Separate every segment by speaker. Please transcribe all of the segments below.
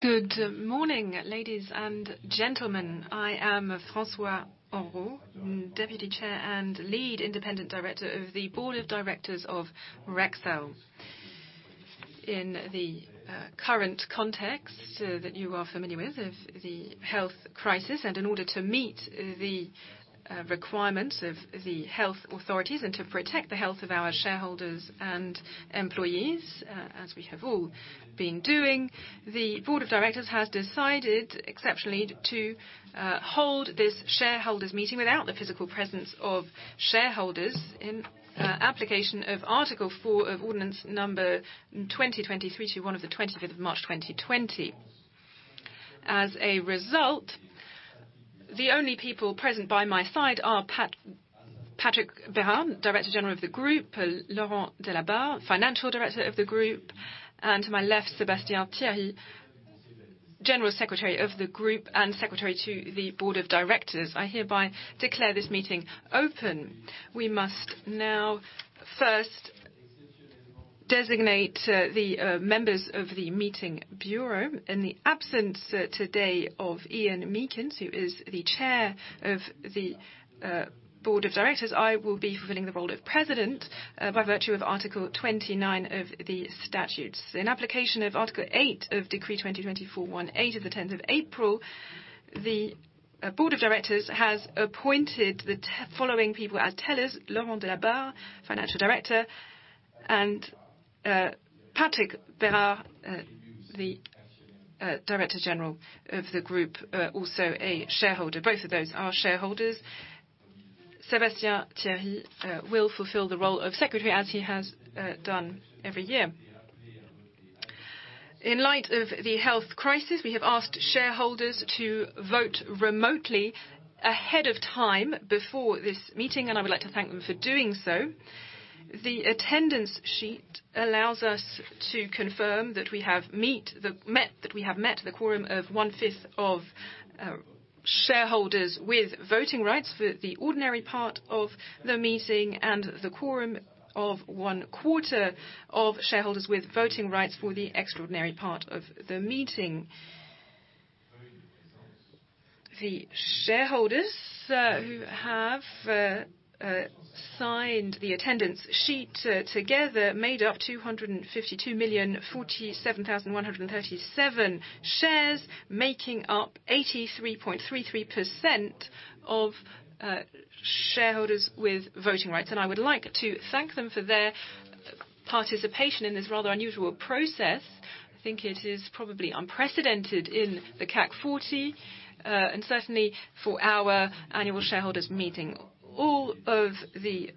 Speaker 1: Good morning, ladies and gentlemen. I am François Henrot, Deputy Chair and Lead Independent Director of the Board of Directors of Rexel. In the current context that you are familiar with, of the health crisis, and in order to meet the requirements of the health authorities and to protect the health of our shareholders and employees, as we have all been doing, the board of directors has decided, exceptionally, to hold this shareholders' meeting without the physical presence of shareholders in application of Article Four of Ordinance Number 2020-321 of the 25th of March 2020. As a result, the only people present by my side are Patrick Bérard, Director General of the group, Laurent Delabarre, Financial Director of the group, and to my left, Sébastien Thierry, General Secretary of the group and Secretary to the Board of Directors. I hereby declare this meeting open. We must now first designate the members of the meeting bureau in the absence today of Ian Meakins, who is the Chair of the Board of Directors. I will be fulfilling the role of President by virtue of Article 29 of the statutes. In application of Article Eight of Decree 2020-418 of the 10th of April, the Board of Directors has appointed the following people as tellers: Laurent Delabarre, Financial Director, and Patrick Bérard, the Director General of the group, also a shareholder. Both of those are shareholders. Sébastien Thierry will fulfill the role of secretary, as he has done every year. In light of the health crisis, we have asked shareholders to vote remotely ahead of time before this meeting. I would like to thank them for doing so. The attendance sheet allows us to confirm that we have met the quorum of one-fifth of shareholders with voting rights for the ordinary part of the meeting, and the quorum of one-quarter of shareholders with voting rights for the extraordinary part of the meeting. The shareholders who have signed the attendance sheet together made up 252,047,137 shares, making up 83.33% of shareholders with voting rights. I would like to thank them for their participation in this rather unusual process. I think it is probably unprecedented in the CAC 40, and certainly for our annual shareholders meeting. All of the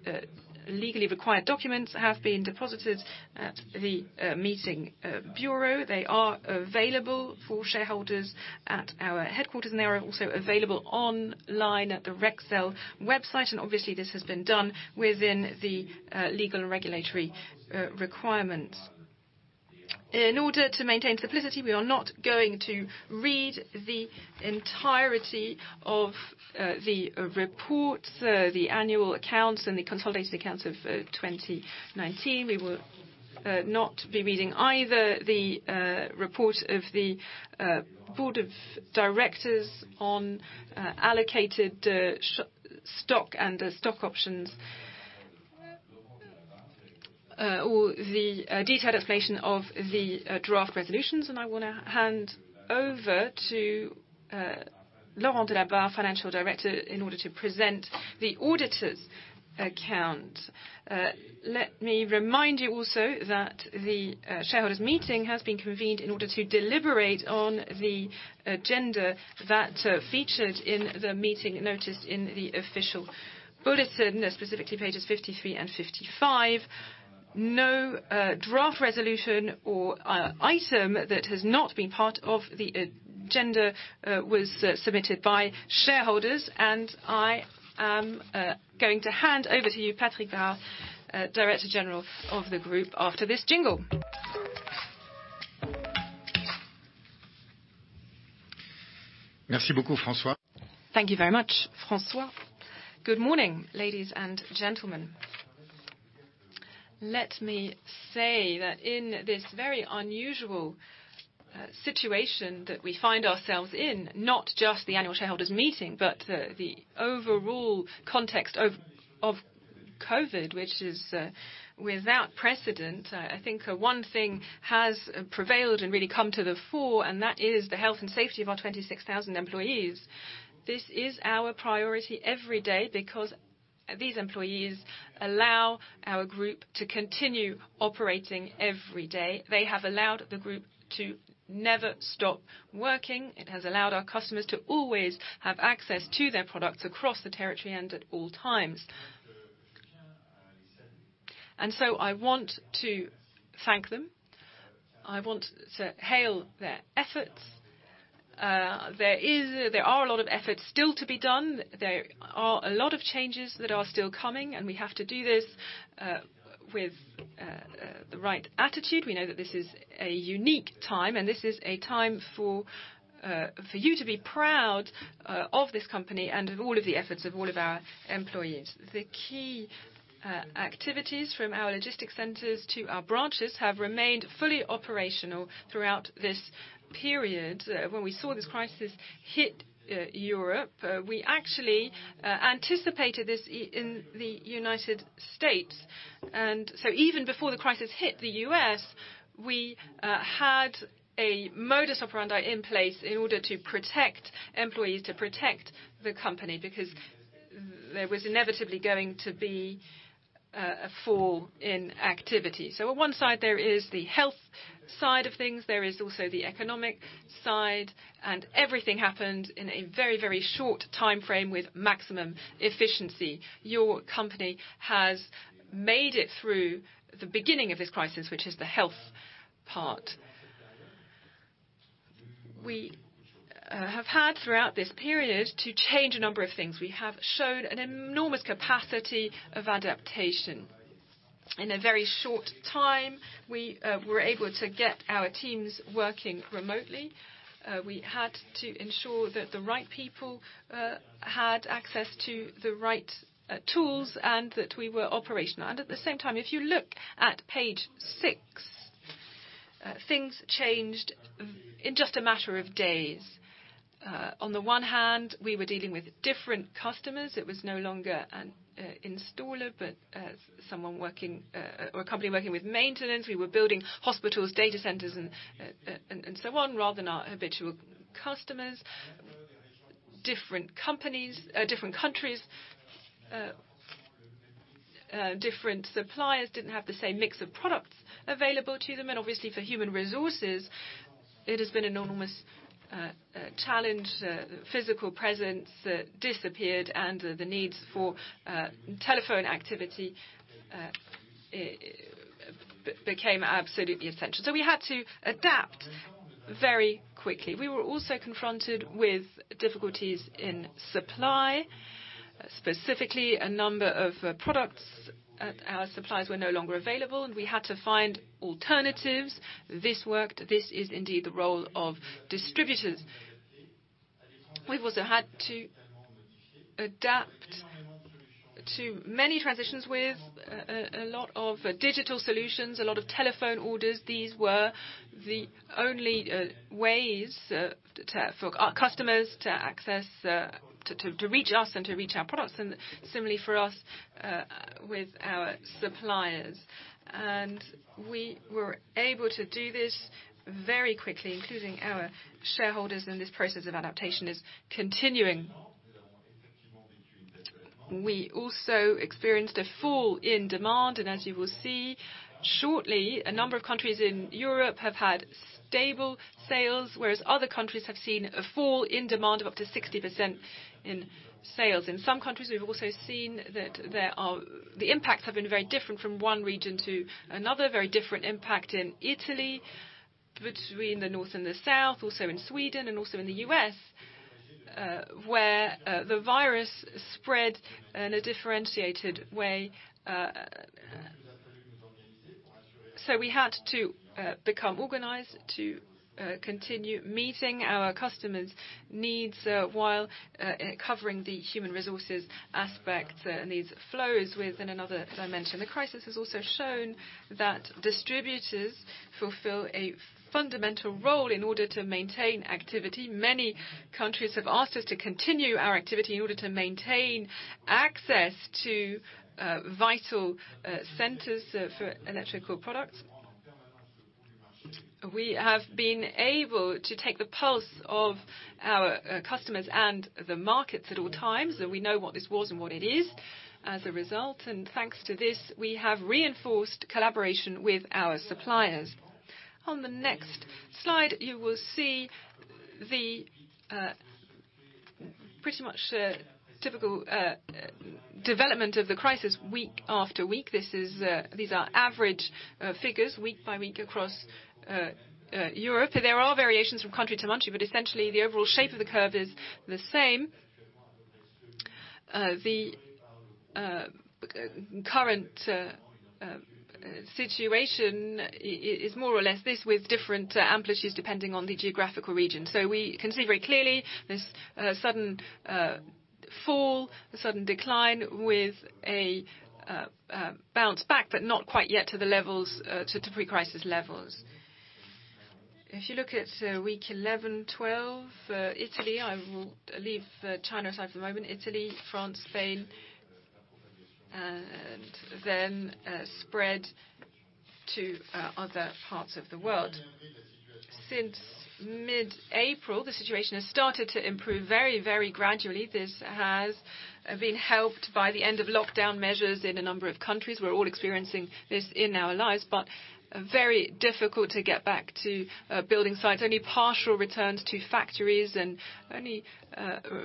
Speaker 1: legally required documents have been deposited at the meeting bureau. They are available for shareholders at our headquarters, and they are also available online at the Rexel website. Obviously, this has been done within the legal and regulatory requirements. In order to maintain simplicity, we are not going to read the entirety of the report, the annual accounts, and the consolidated accounts of 2019. We will not be reading either the report of the Board of Directors on allocated stock and stock options or the detailed explanation of the draft resolutions. I want to hand over to Laurent Delabarre, Financial Director, in order to present the auditors' account. Let me remind you also that the shareholders' meeting has been convened in order to deliberate on the agenda that featured in the meeting notice in the official bulletin, specifically pages 53 and 55. No draft resolution or item that has not been part of the agenda was submitted by shareholders. I am going to hand over to you, Patrick Bérard, Director General of the group, after this jingle.
Speaker 2: Thank you very much, François. Good morning, ladies and gentlemen. Let me say that in this very unusual situation that we find ourselves in, not just the annual shareholders meeting, but the overall context of COVID, which is without precedent, I think one thing has prevailed and really come to the fore, that is the health and safety of our 26,000 employees. This is our priority every day because these employees allow our Group to continue operating every day. They have allowed the Group to never stop working. It has allowed our customers to always have access to their products across the territory at all times. I want to thank them. I want to hail their efforts. There are a lot of efforts still to be done. There are a lot of changes that are still coming, and we have to do this with the right attitude. We know that this is a unique time, and this is a time for you to be proud of this company and of all of the efforts of all of our employees. The key activities from our logistics centers to our branches have remained fully operational throughout this period. When we saw this crisis hit Europe, we actually anticipated this in the United States. Even before the crisis hit the U.S., we had a modus operandi in place in order to protect employees, to protect the company, because there was inevitably going to be a fall in activity. On one side, there is the health side of things. There is also the economic side, and everything happened in a very short timeframe with maximum efficiency. Your company has made it through the beginning of this crisis, which is the health part. We have had throughout this period to change a number of things. We have shown an enormous capacity of adaptation. In a very short time, we were able to get our teams working remotely. We had to ensure that the right people had access to the right tools and that we were operational. At the same time, if you look at page six, things changed in just a matter of days. On the one hand, we were dealing with different customers. It was no longer an installer, but a company working with maintenance. We were building hospitals, data centers, and so on, rather than our habitual customers. Different countries, different suppliers didn't have the same mix of products available to them. Obviously for human resources, it has been an enormous challenge. Physical presence disappeared and the needs for telephone activity became absolutely essential. We had to adapt very quickly. We were also confronted with difficulties in supply, specifically, a number of products. Our supplies were no longer available, and we had to find alternatives. This worked. This is indeed the role of distributors. We've also had to adapt to many transitions with a lot of digital solutions, a lot of telephone orders. These were the only ways for our customers to reach us and to reach our products, and similarly for us, with our suppliers. We were able to do this very quickly, including our shareholders, and this process of adaptation is continuing. We also experienced a fall in demand. As you will see shortly, a number of countries in Europe have had stable sales, whereas other countries have seen a fall in demand of up to 60% in sales. In some countries, we've also seen that the impacts have been very different from one region to another. Very different impact in Italy, between the north and the south, also in Sweden and also in the U.S., where the virus spread in a differentiated way. We had to become organized to continue meeting our customers' needs, while covering the human resources aspect needs flows within another dimension. The crisis has also shown that distributors fulfill a fundamental role in order to maintain activity. Many countries have asked us to continue our activity in order to maintain access to vital centers for electrical products. We have been able to take the pulse of our customers and the markets at all times, and we know what this was and what it is as a result. Thanks to this, we have reinforced collaboration with our suppliers. On the next slide, you will see the pretty much typical development of the crisis week after week. These are average figures week by week across Europe. There are variations from country to country, but essentially, the overall shape of the curve is the same. The current situation is more or less this with different amplitudes depending on the geographical region. We can see very clearly this sudden fall, the sudden decline with a bounce back, but not quite yet to pre-crisis levels. If you look at week 11, 12, Italy, I will leave China aside for the moment, Italy, France, Spain, and then spread to other parts of the world. Since mid-April, the situation has started to improve very gradually. This has been helped by the end of lockdown measures in a number of countries. We're all experiencing this in our lives, but very difficult to get back to building sites. Only partial returns to factories and only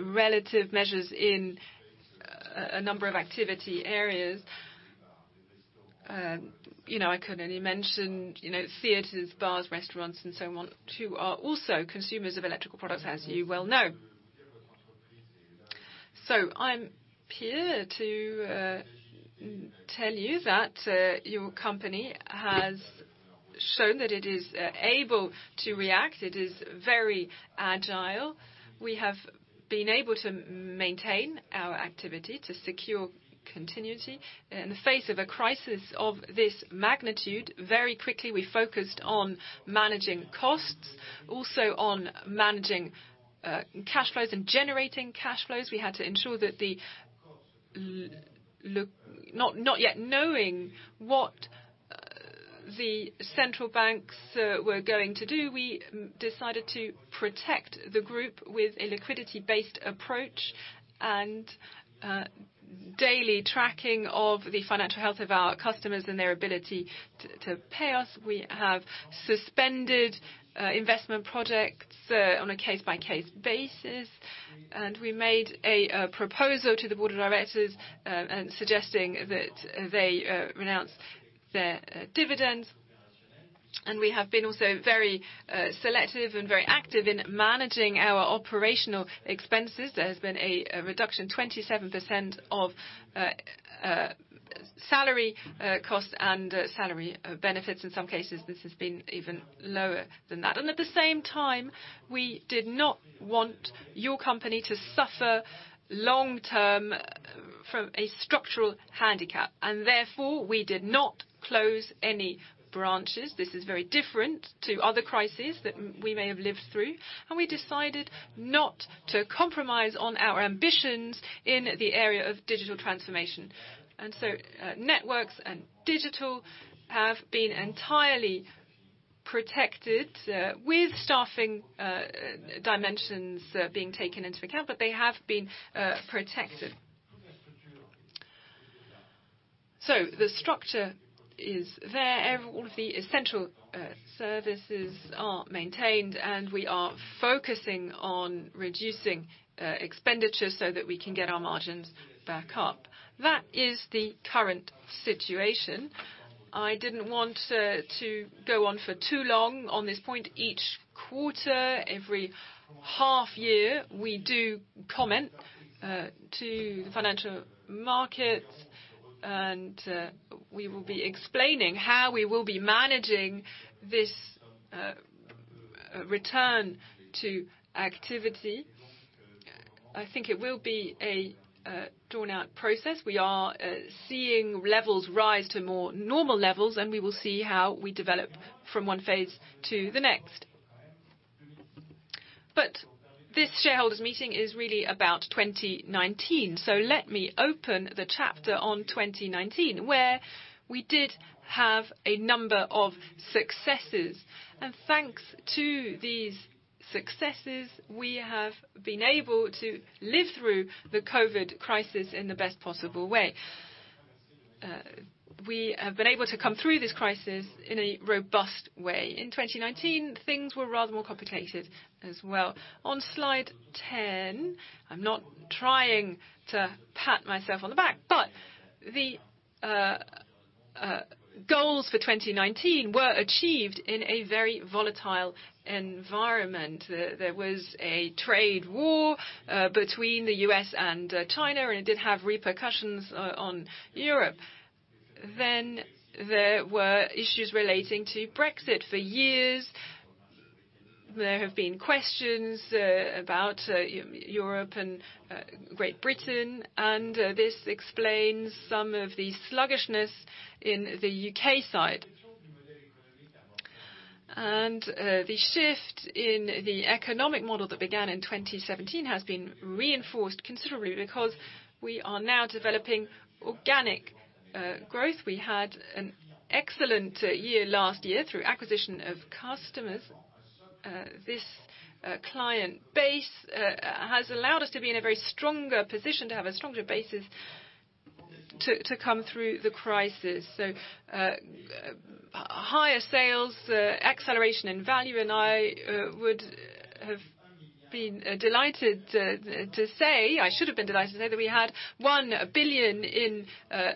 Speaker 2: relative measures in a number of activity areas. I could only mention theaters, bars, restaurants, and so on, who are also consumers of electrical products, as you well know. I'm here to tell you that your company has shown that it is able to react. It is very agile. We have been able to maintain our activity to secure continuity in the face of a crisis of this magnitude. Very quickly, we focused on managing costs, also on managing cash flows and generating cash flows. We had to ensure that, not yet knowing what the central banks were going to do, we decided to protect the group with a liquidity-based approach and daily tracking of the financial health of our customers and their ability to pay us. We have suspended investment projects on a case-by-case basis, we made a proposal to the board of directors suggesting that they renounce their dividends. We have been also very selective and very active in managing our operational expenses. There has been a reduction, 27% of salary costs and salary benefits. In some cases, this has been even lower than that. At the same time, we did not want your company to suffer long-term from a structural handicap, and therefore we did not close any branches. This is very different to other crises that we may have lived through. We decided not to compromise on our ambitions in the area of digital transformation. Networks and digital have been entirely protected with staffing dimensions being taken into account, but they have been protected. The structure is there. All of the essential services are maintained, and we are focusing on reducing expenditure so that we can get our margins back up. That is the current situation. I didn't want to go on for too long on this point. Each quarter, every half year, we do comment to the financial markets, and we will be explaining how we will be managing this return to activity. I think it will be a drawn-out process. We are seeing levels rise to more normal levels, and we will see how we develop from one phase to the next. This shareholders' meeting is really about 2019. Let me open the chapter on 2019, where we did have a number of successes. Thanks to these successes, we have been able to live through the COVID crisis in the best possible way. We have been able to come through this crisis in a robust way. In 2019, things were rather more complicated as well. On slide 10, I'm not trying to pat myself on the back, but the goals for 2019 were achieved in a very volatile environment. There was a trade war between the U.S. and China, and it did have repercussions on Europe. There were issues relating to Brexit. For years, there have been questions about Europe and Great Britain, and this explains some of the sluggishness in the U.K. side. The shift in the economic model that began in 2017 has been reinforced considerably because we are now developing organic growth. We had an excellent year last year through acquisition of customers. This client base has allowed us to be in a very stronger position to have a stronger basis to come through the crisis. Higher sales, acceleration in value, and I would have been delighted to say, I should have been delighted to say that we had 1 billion in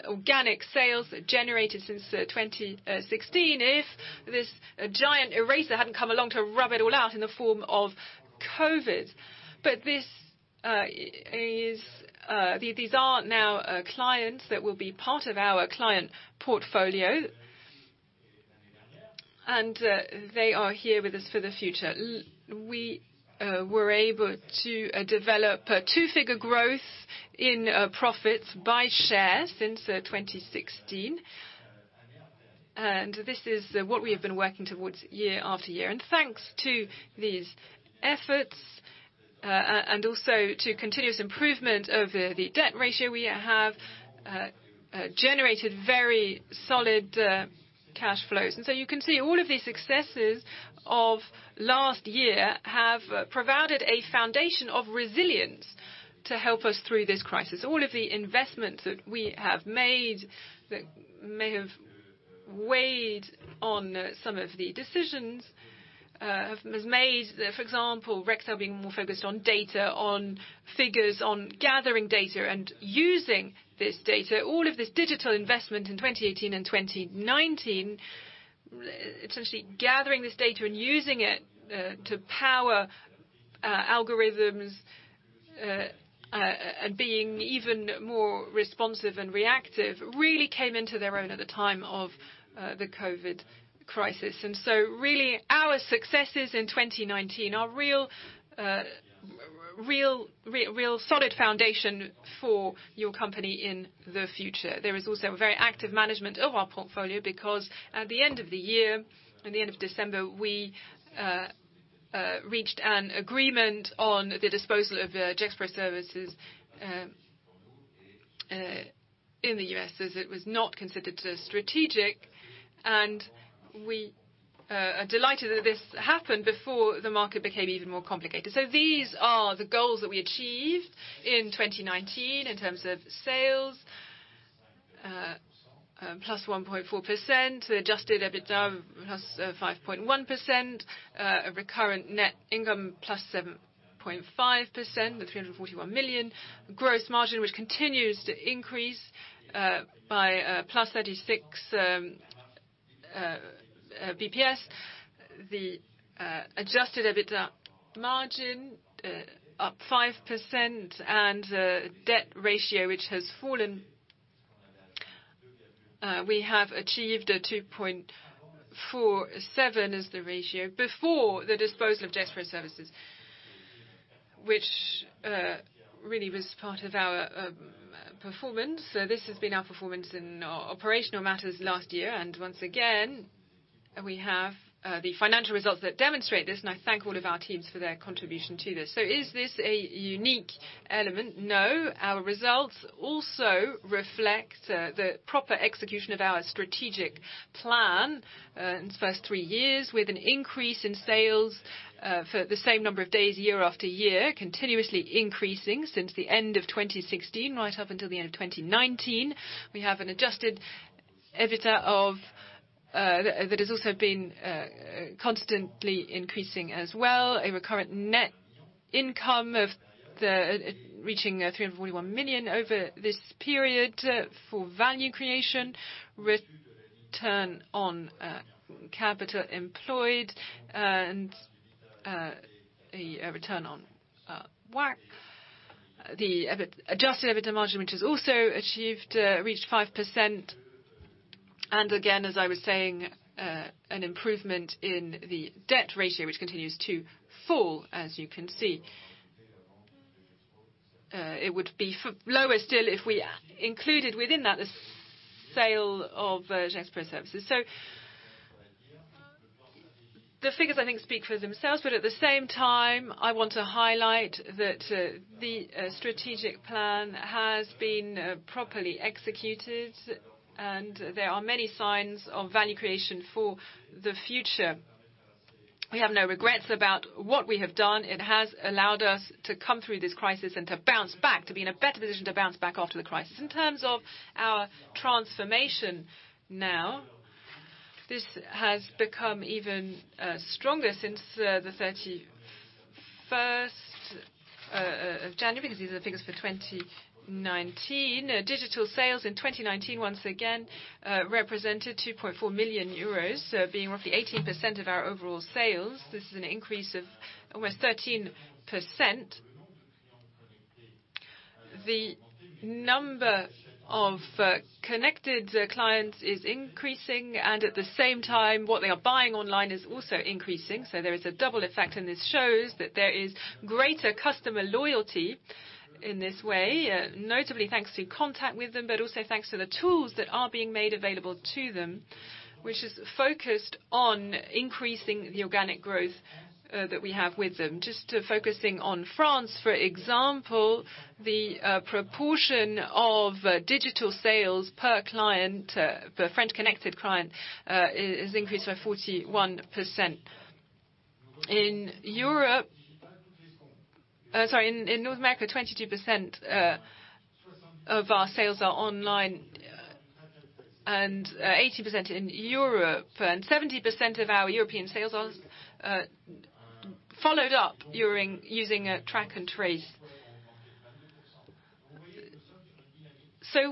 Speaker 2: organic sales generated since 2016 if this giant eraser hadn't come along to rub it all out in the form of COVID. These are now clients that will be part of our client portfolio, and they are here with us for the future. We were able to develop a two-figure growth in profits by share since 2016. This is what we have been working towards year after year. Thanks to these efforts, and also to continuous improvement of the debt ratio, we have generated very solid cash flows. You can see all of the successes of last year have provided a foundation of resilience to help us through this crisis. All of the investments that we have made that may have weighed on some of the decisions have made, for example, Rexel being more focused on data, on figures, on gathering data and using this data. All of this digital investment in 2018 and 2019. Essentially gathering this data and using it to power algorithms, and being even more responsive and reactive really came into their own at the time of the COVID crisis. Really, our successes in 2019 are real solid foundation for your company in the future. There is also a very active management of our portfolio because at the end of the year, at the end of December, we reached an agreement on the disposal of Gexpro Services in the U.S. as it was not considered strategic. We are delighted that this happened before the market became even more complicated. These are the goals that we achieved in 2019 in terms of sales, +1.4%, adjusted EBITDA, +5.1%, recurrent net income, +7.5% with 341 million. Gross margin, which continues to increase by +36 basis points. The adjusted EBITDA margin up 5%, and debt ratio, which has fallen. We have achieved a 2.47 is the ratio before the disposal of Gexpro Services, which really was part of our performance. This has been our performance in our operational matters last year. Once again, we have the financial results that demonstrate this, and I thank all of our teams for their contribution to this. Is this a unique element? No. Our results also reflect the proper execution of our strategic plan in its first three years, with an increase in sales for the same number of days, year after year, continuously increasing since the end of 2016, right up until the end of 2019. We have an adjusted EBITDA that has also been constantly increasing as well. A recurrent net income reaching 341 million over this period. For value creation, return on capital employed and the return on WACC. The adjusted EBITDA margin, which has also reached 5%. Again, as I was saying, an improvement in the debt ratio, which continues to fall as you can see. It would be lower still if we included within that the sale of Gexpro Services. The figures, I think, speak for themselves. I want to highlight that the strategic plan has been properly executed, and there are many signs of value creation for the future. We have no regrets about what we have done. It has allowed us to come through this crisis and to bounce back, to be in a better position to bounce back after the crisis. In terms of our transformation now, this has become even stronger since the 31st of January, because these are the figures for 2019. Digital sales in 2019, once again, represented 2.4 million euros, so being roughly 18% of our overall sales. This is an increase of almost 13%. The number of connected clients is increasing, and at the same time, what they are buying online is also increasing. There is a double effect, and this shows that there is greater customer loyalty in this way, notably thanks to contact with them, but also thanks to the tools that are being made available to them, which is focused on increasing the organic growth that we have with them. Just focusing on France, for example, the proportion of digital sales per French connected client, has increased by 41%. In North America, 22% of our sales are online and 80% in Europe, and 70% of our European sales are followed up using a track and trace.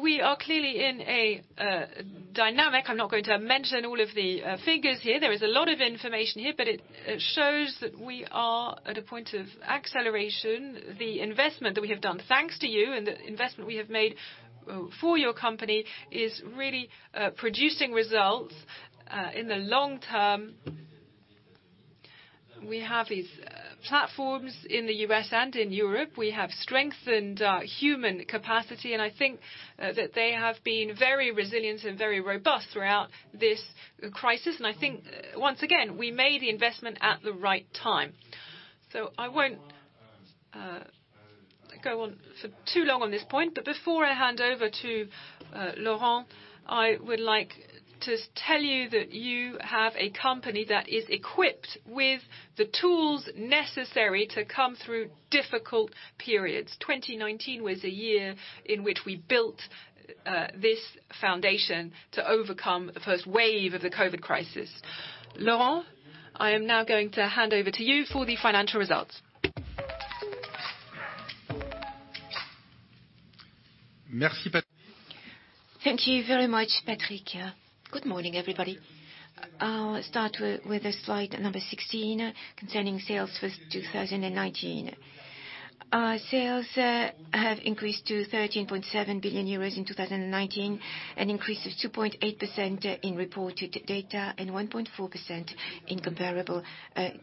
Speaker 2: We are clearly in a dynamic. I'm not going to mention all of the figures here. There is a lot of information here, but it shows that we are at a point of acceleration. The investment that we have done thanks to you and the investment we have made for your company is really producing results in the long term. We have these platforms in the U.S. and in Europe. I think that they have been very resilient and very robust throughout this crisis. I think, once again, we made the investment at the right time. I won't go on for too long on this point, but before I hand over to Laurent, I would like to tell you that you have a company that is equipped with the tools necessary to come through difficult periods. 2019 was a year in which we built this foundation to overcome the first wave of the COVID crisis. Laurent, I am now going to hand over to you for the financial results.
Speaker 3: Thank you very much, Patrick. Good morning, everybody. I'll start with slide 16 concerning sales for 2019. Our sales have increased to 13.7 billion euros in 2019, an increase of 2.8% in reported data and 1.4% in comparable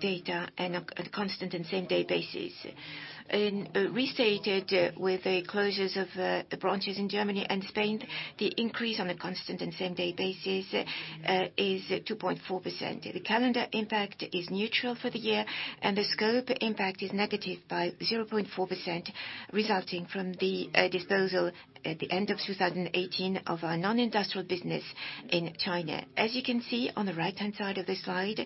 Speaker 3: data, and on a constant and same day basis. Restated with the closures of the branches in Germany and Spain, the increase on the constant and same day basis is 2.4%. The calendar impact is neutral for the year, and the scope impact is negative by 0.4%, resulting from the disposal at the end of 2018 of our non-industrial business in China. As you can see on the right-hand side of the slide,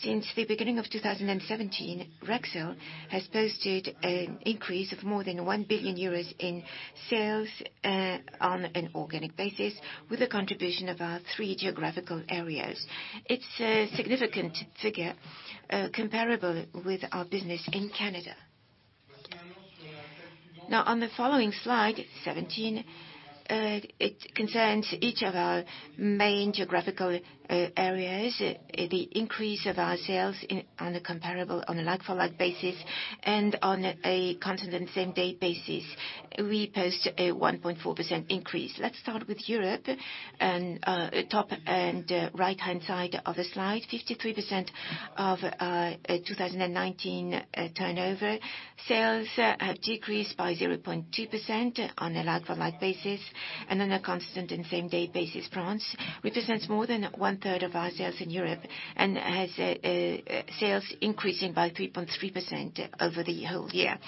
Speaker 3: since the beginning of 2017, Rexel has posted an increase of more than 1 billion euros in sales on an organic basis, with a contribution of our three geographical areas. It's a significant figure, comparable with our business in Canada. Now, on the following slide, 17, it concerns each of our main geographical areas, the increase of our sales on a like-for-like basis and on a constant and same day basis. We post a 1.4% increase. Let's start with Europe, top and right-hand side of the slide, 53% of 2019 turnover. Sales have decreased by 0.2% on a like-for-like basis, and on a constant and same day basis. France represents more than one-third of our sales in Europe, and has sales increasing by 3.3% over the whole year.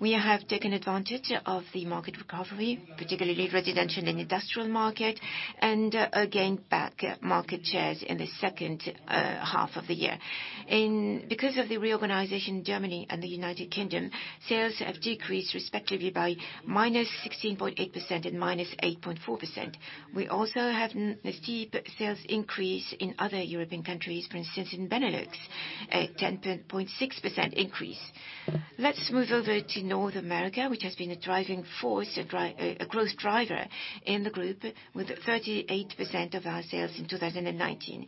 Speaker 3: We have taken advantage of the market recovery, particularly residential and industrial market, and gained back market shares in the second half of the year. Because of the reorganization in Germany and the United Kingdom, sales have decreased respectively by -16.8% and -8.4%. We also have a steep sales increase in other European countries. For instance, in Benelux, a 10.6% increase. Let's move over to North America, which has been a growth driver in the group, with 38% of our sales in 2019.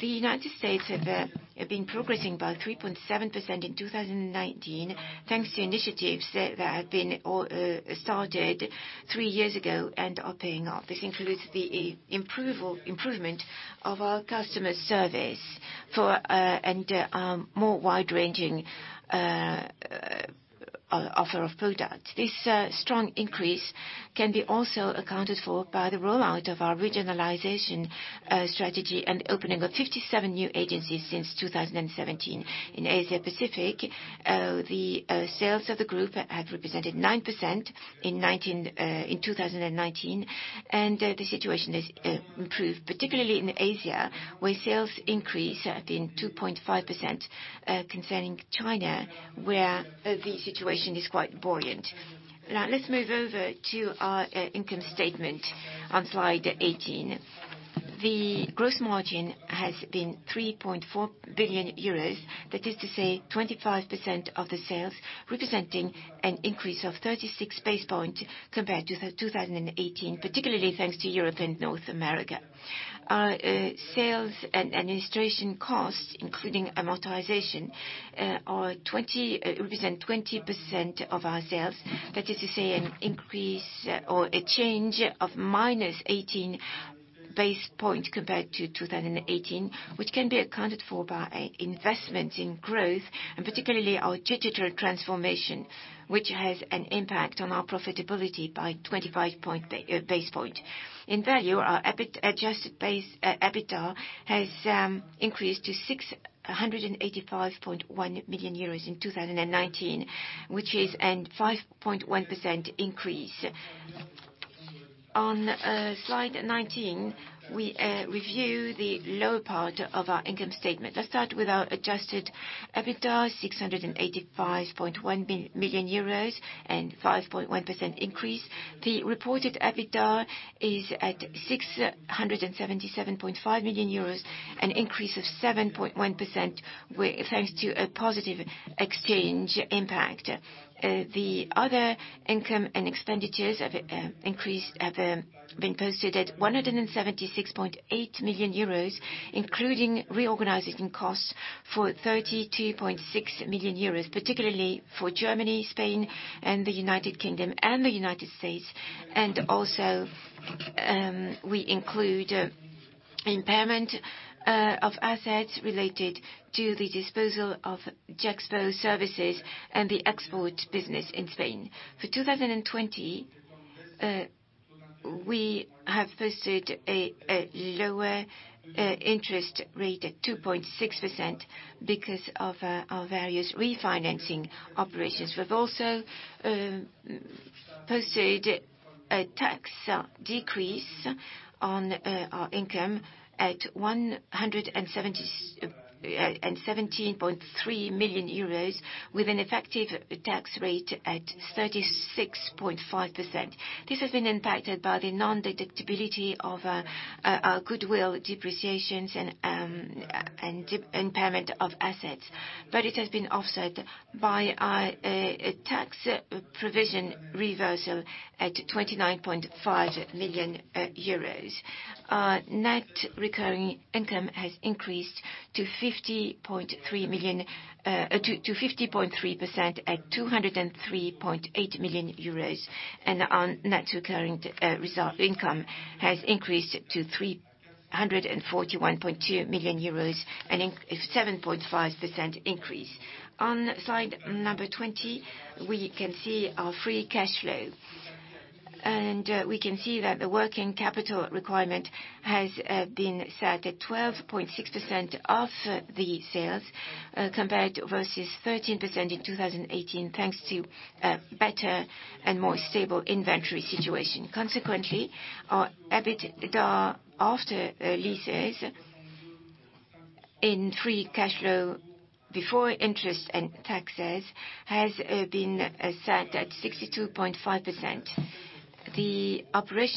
Speaker 3: The United States have been progressing by 3.7% in 2019, thanks to initiatives that have been started three years ago and are paying off. This includes the improvement of our customer service, and a more wide-ranging offer of products. This strong increase can be also accounted for by the rollout of our regionalization strategy and the opening of 57 new agencies since 2017. In Asia-Pacific, the sales of the group have represented 9% in 2019, and the situation has improved, particularly in Asia, where sales increase have been 2.5%. Concerning China, where the situation is quite buoyant. Let's move over to our income statement on slide 18. The gross margin has been 3.4 billion euros. That is to say, 25% of the sales, representing an increase of 36 basis points compared to 2018, particularly thanks to Europe and North America. Our sales and administration costs, including amortization, represent 20% of our sales. That is to say, an increase or a change of -18 basis points compared to 2018, which can be accounted for by investment in growth, and particularly our digital transformation, which has an impact on our profitability by 25 basis points. In value, our adjusted base EBITDA has increased to 685.1 million euros in 2019, which is a 5.1% increase. On slide 19, we review the lower part of our income statement. Let's start with our adjusted EBITDA, 685.1 million euros, and 5.1% increase. The reported EBITDA is at 677.5 million euros, an increase of 7.1% thanks to a positive exchange impact. The other income and expenditures have been posted at 176.8 million euros, including reorganizing costs for 32.6 million euros, particularly for Germany, Spain, and the United Kingdom, and the U.S., and also, we include impairment of assets related to the disposal of Gexpro Services and the export business in Spain. For 2020, we have posted a lower interest rate at 2.6% because of our various refinancing operations. We've also posted a tax decrease on our income at 117.3 million euros, with an effective tax rate at 36.5%. This has been impacted by the non-deductibility of our goodwill depreciations and impairment of assets. It has been offset by our tax provision reversal at 29.5 million euros. Net recurring income has increased to 50.3% at 203.8 million euros, and net recurring income has increased to 341.2 million euros, a 7.5% increase. On slide number 20, we can see our free cash flow. We can see that the working capital requirement has been set at 12.6% of the sales, compared versus 13% in 2018, thanks to a better and more stable inventory situation. Consequently, our EBITDA, after leases, in free cash flow before interest and taxes, has been set at 62.5%. The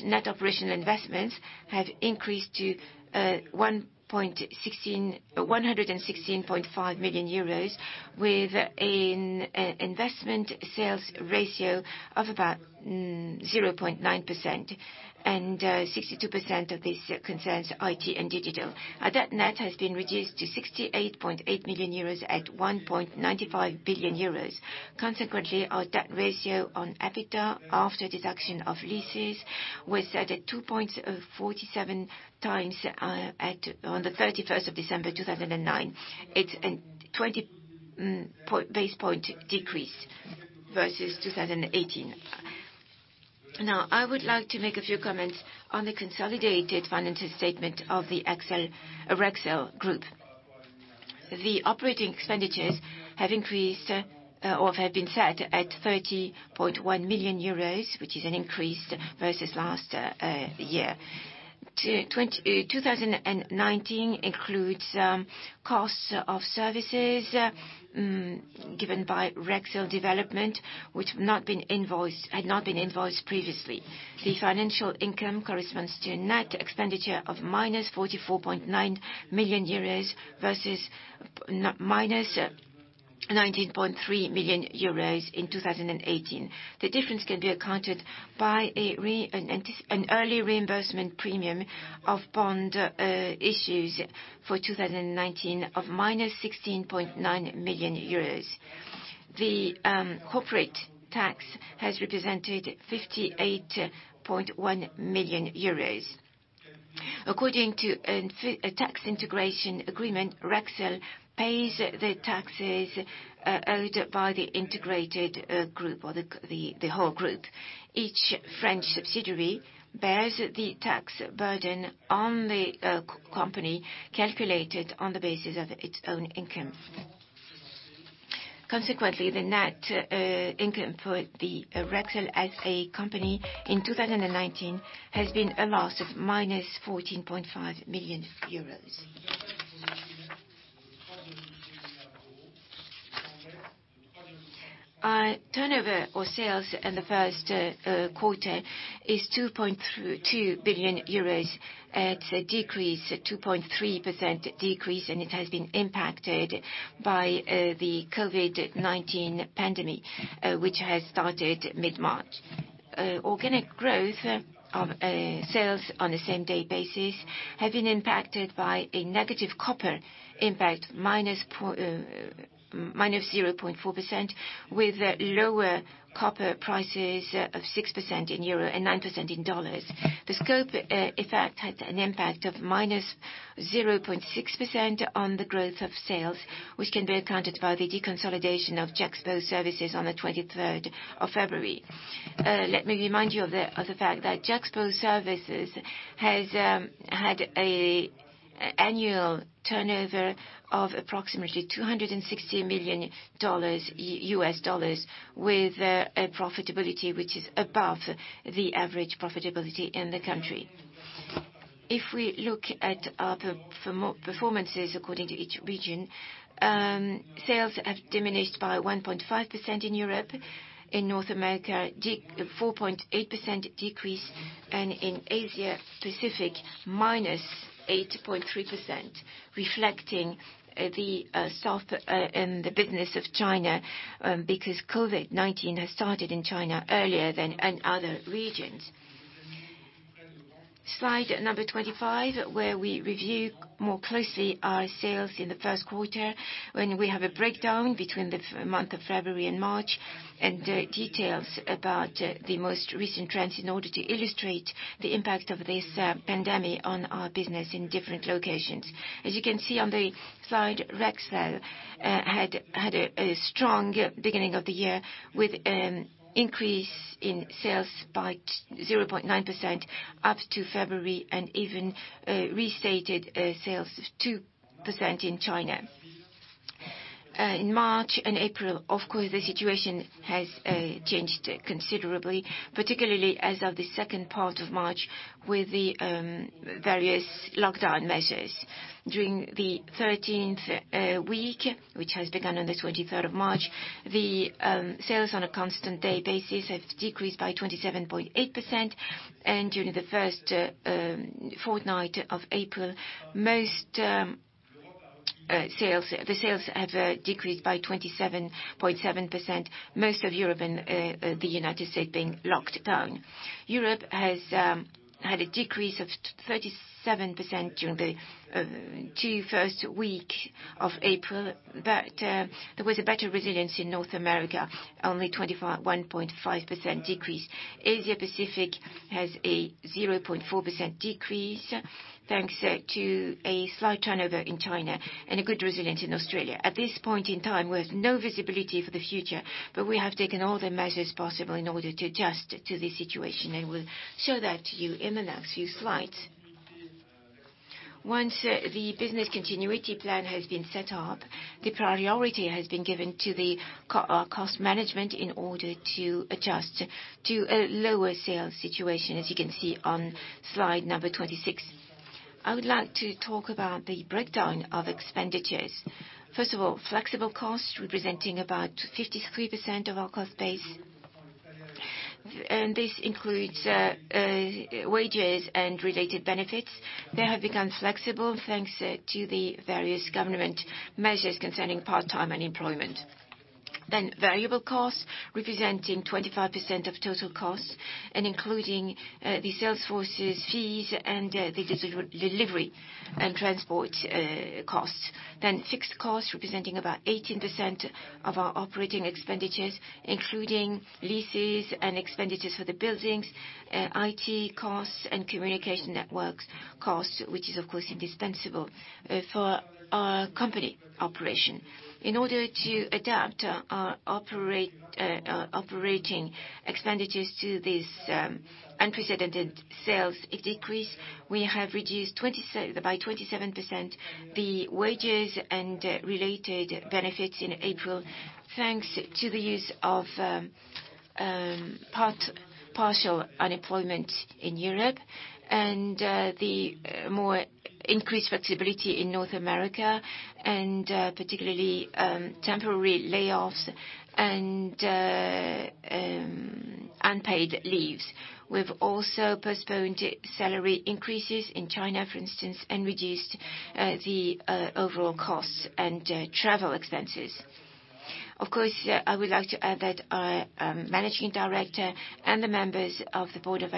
Speaker 3: net operational investments have increased to 116.5 million euros with an investment sales ratio of about 0.9%, and 62% of this concerns IT and digital. Our debt net has been reduced to 68.8 million euros at 1.95 billion euros. Consequently, our debt ratio on EBITDA after deduction of leases was at a 2.47 times on the 31st of December 2009. It's a 20 basis point decrease versus 2018. Now, I would like to make a few comments on the consolidated financial statement of the Rexel Group. The operating expenditures have increased or have been set at 30.1 million euros, which is an increase versus last year. 2019 includes costs of services given by Rexel Développement, which had not been invoiced previously. The financial income corresponds to a net expenditure of -44.9 million euros versus -19.3 million euros in 2018. The difference can be accounted by an early reimbursement premium of bond issues for 2019 of -16.9 million euros. The corporate tax has represented 58.1 million euros. According to a tax integration agreement, Rexel pays the taxes owed by the integrated group, or the whole group. Each French subsidiary bears the tax burden on the company, calculated on the basis of its own income. Consequently, the net income for the Rexel as a company in 2019 has been a loss of -14.5 million euros. Turnover or sales in the first quarter is 2.2 billion euros. It's a 2.3% decrease, and it has been impacted by the COVID-19 pandemic, which has started mid-March. Organic growth of sales on a same-day basis have been impacted by a negative copper impact, -0.4%, with lower copper prices of 6% in EUR and 9% in USD. The scope effect had an impact of -0.6% on the growth of sales, which can be accounted by the deconsolidation of Gexpro Services on the 23rd of February. Let me remind you of the fact that Gexpro Services has had an annual turnover of approximately $260 million with a profitability which is above the average profitability in the country. If we look at our performances according to each region, sales have diminished by 1.5% in Europe, in North America, a 4.8% decrease, and in Asia Pacific, -8.3%, reflecting the business of China, because COVID-19 has started in China earlier than in other regions. Slide number 25, where we review more closely our sales in the first quarter, when we have a breakdown between the month of February and March, and details about the most recent trends in order to illustrate the impact of this pandemic on our business in different locations. As you can see on the slide, Rexel had a strong beginning of the year, with an increase in sales by 0.9% up to February, and even restated sales of 2% in China. In March and April, of course, the situation has changed considerably, particularly as of the second part of March with the various lockdown measures. During the 13th week, which has begun on the 23rd of March, the sales on a constant day basis have decreased by 27.8%, and during the first fortnight of April, most the sales have decreased by 27.7%, most of Europe and the U.S. being locked down. Europe has had a decrease of 37% during the two first week of April. There was a better resilience in North America, only 21.5% decrease. Asia Pacific has a 0.4% decrease, thanks to a slight turnover in China and a good resilience in Australia. At this point in time, we have no visibility for the future. We have taken all the measures possible in order to adjust to this situation, and we'll show that to you in the next few slides. Once the business continuity plan has been set up, the priority has been given to the cost management in order to adjust to a lower sales situation, as you can see on slide number 26. I would like to talk about the breakdown of expenditures. First of all, flexible costs representing about 53% of our cost base. This includes wages and related benefits. They have become flexible, thanks to the various government measures concerning part-time unemployment. Variable costs, representing 25% of total costs and including the sales forces fees and the delivery and transport costs. Fixed costs representing about 18% of our operating expenditures, including leases and expenditures for the buildings, IT costs, and communication networks costs, which is of course indispensable for our company operation. In order to adapt our operating expenditures to this unprecedented sales decrease, we have reduced by 27% the wages and related benefits in April, thanks to the use of partial unemployment in Europe, and the more increased flexibility in North America, and particularly temporary layoffs and unpaid leaves. We've also postponed salary increases in China, for instance, and reduced the overall costs and travel expenses. Of course, I would like to add that our managing director and the members of the board of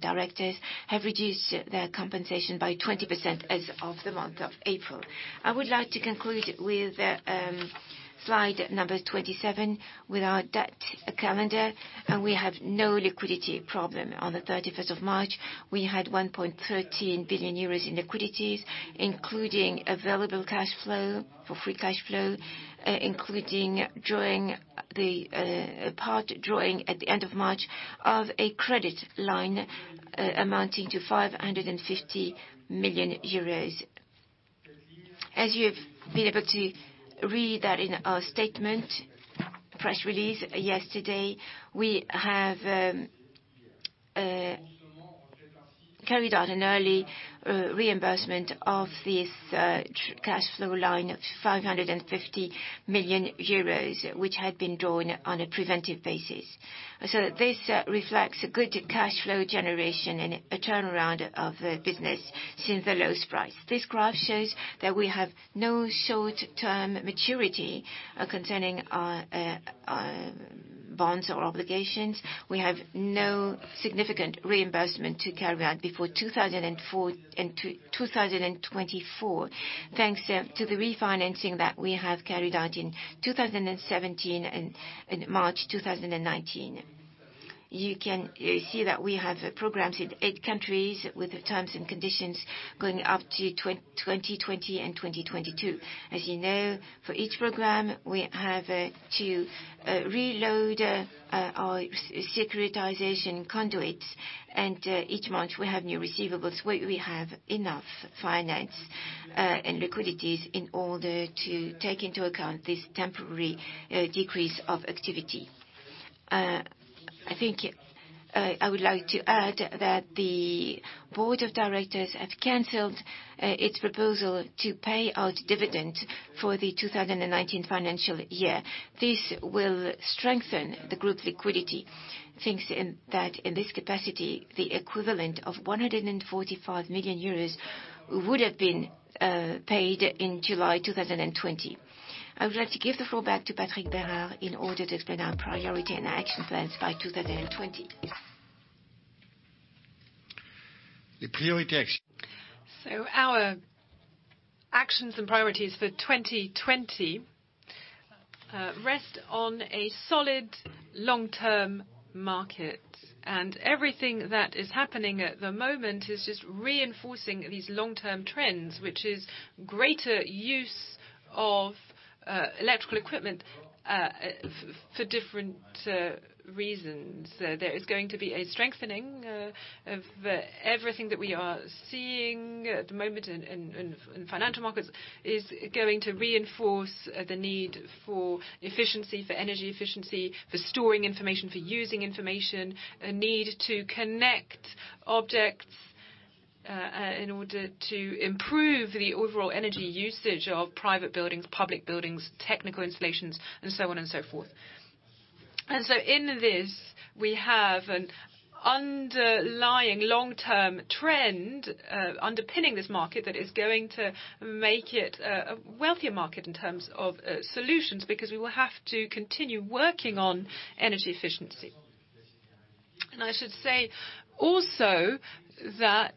Speaker 3: directors have reduced their compensation by 20% as of the month of April. I would like to conclude with slide 27 with our debt calendar. We have no liquidity problem. On the 31st of March, we had 1.13 billion euros in liquidities, including available cash flow for free cash flow, including part drawing at the end of March of a credit line amounting to 550 million euros. As you have been able to read that in our statement press release yesterday, we have carried out an early reimbursement of this cash flow line of 550 million euros, which had been drawn on a preventive basis. This reflects a good cash flow generation and a turnaround of the business since the lowest price. This graph shows that we have no short-term maturity concerning our bonds or obligations. We have no significant reimbursement to carry out before 2024, thanks to the refinancing that we have carried out in 2017 and in March 2019. You can see that we have programs in eight countries with the terms and conditions going up to 2020 and 2022. As you know, for each program, we have to reload our securitization conduits. Each month, we have new receivables. We have enough finance and liquidities in order to take into account this temporary decrease of activity. I think I would like to add that the board of directors have canceled its proposal to pay out dividend for the 2019 financial year. This will strengthen the group liquidity, thinks that in this capacity, the equivalent of 145 million euros would've been paid in July 2020. I would like to give the floor back to Patrick Bérard in order to explain our priority and action plans by 2020.
Speaker 2: The priority action. Our actions and priorities for 2020 rest on a solid long-term market. Everything that is happening at the moment is just reinforcing these long-term trends, which is greater use of electrical equipment for different reasons. There is going to be a strengthening of everything that we are seeing at the moment in financial markets, is going to reinforce the need for efficiency, for energy efficiency, for storing information, for using information, a need to connect objects in order to improve the overall energy usage of private buildings, public buildings, technical installations, and so on and so forth. In this, we have an underlying long-term trend underpinning this market that is going to make it a wealthier market in terms of solutions, because we will have to continue working on energy efficiency. I should say also that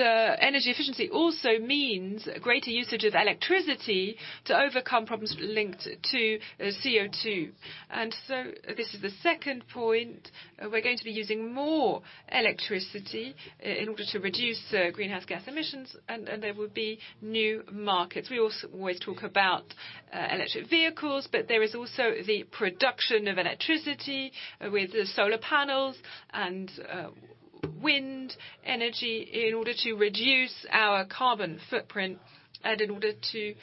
Speaker 2: energy efficiency also means greater usage of electricity to overcome problems linked to CO2. This is the second point. We're going to be using more electricity in order to reduce greenhouse gas emissions, and there will be new markets. We always talk about electric vehicles, but there is also the production of electricity with solar panels and wind energy in order to reduce our carbon footprint and in order to,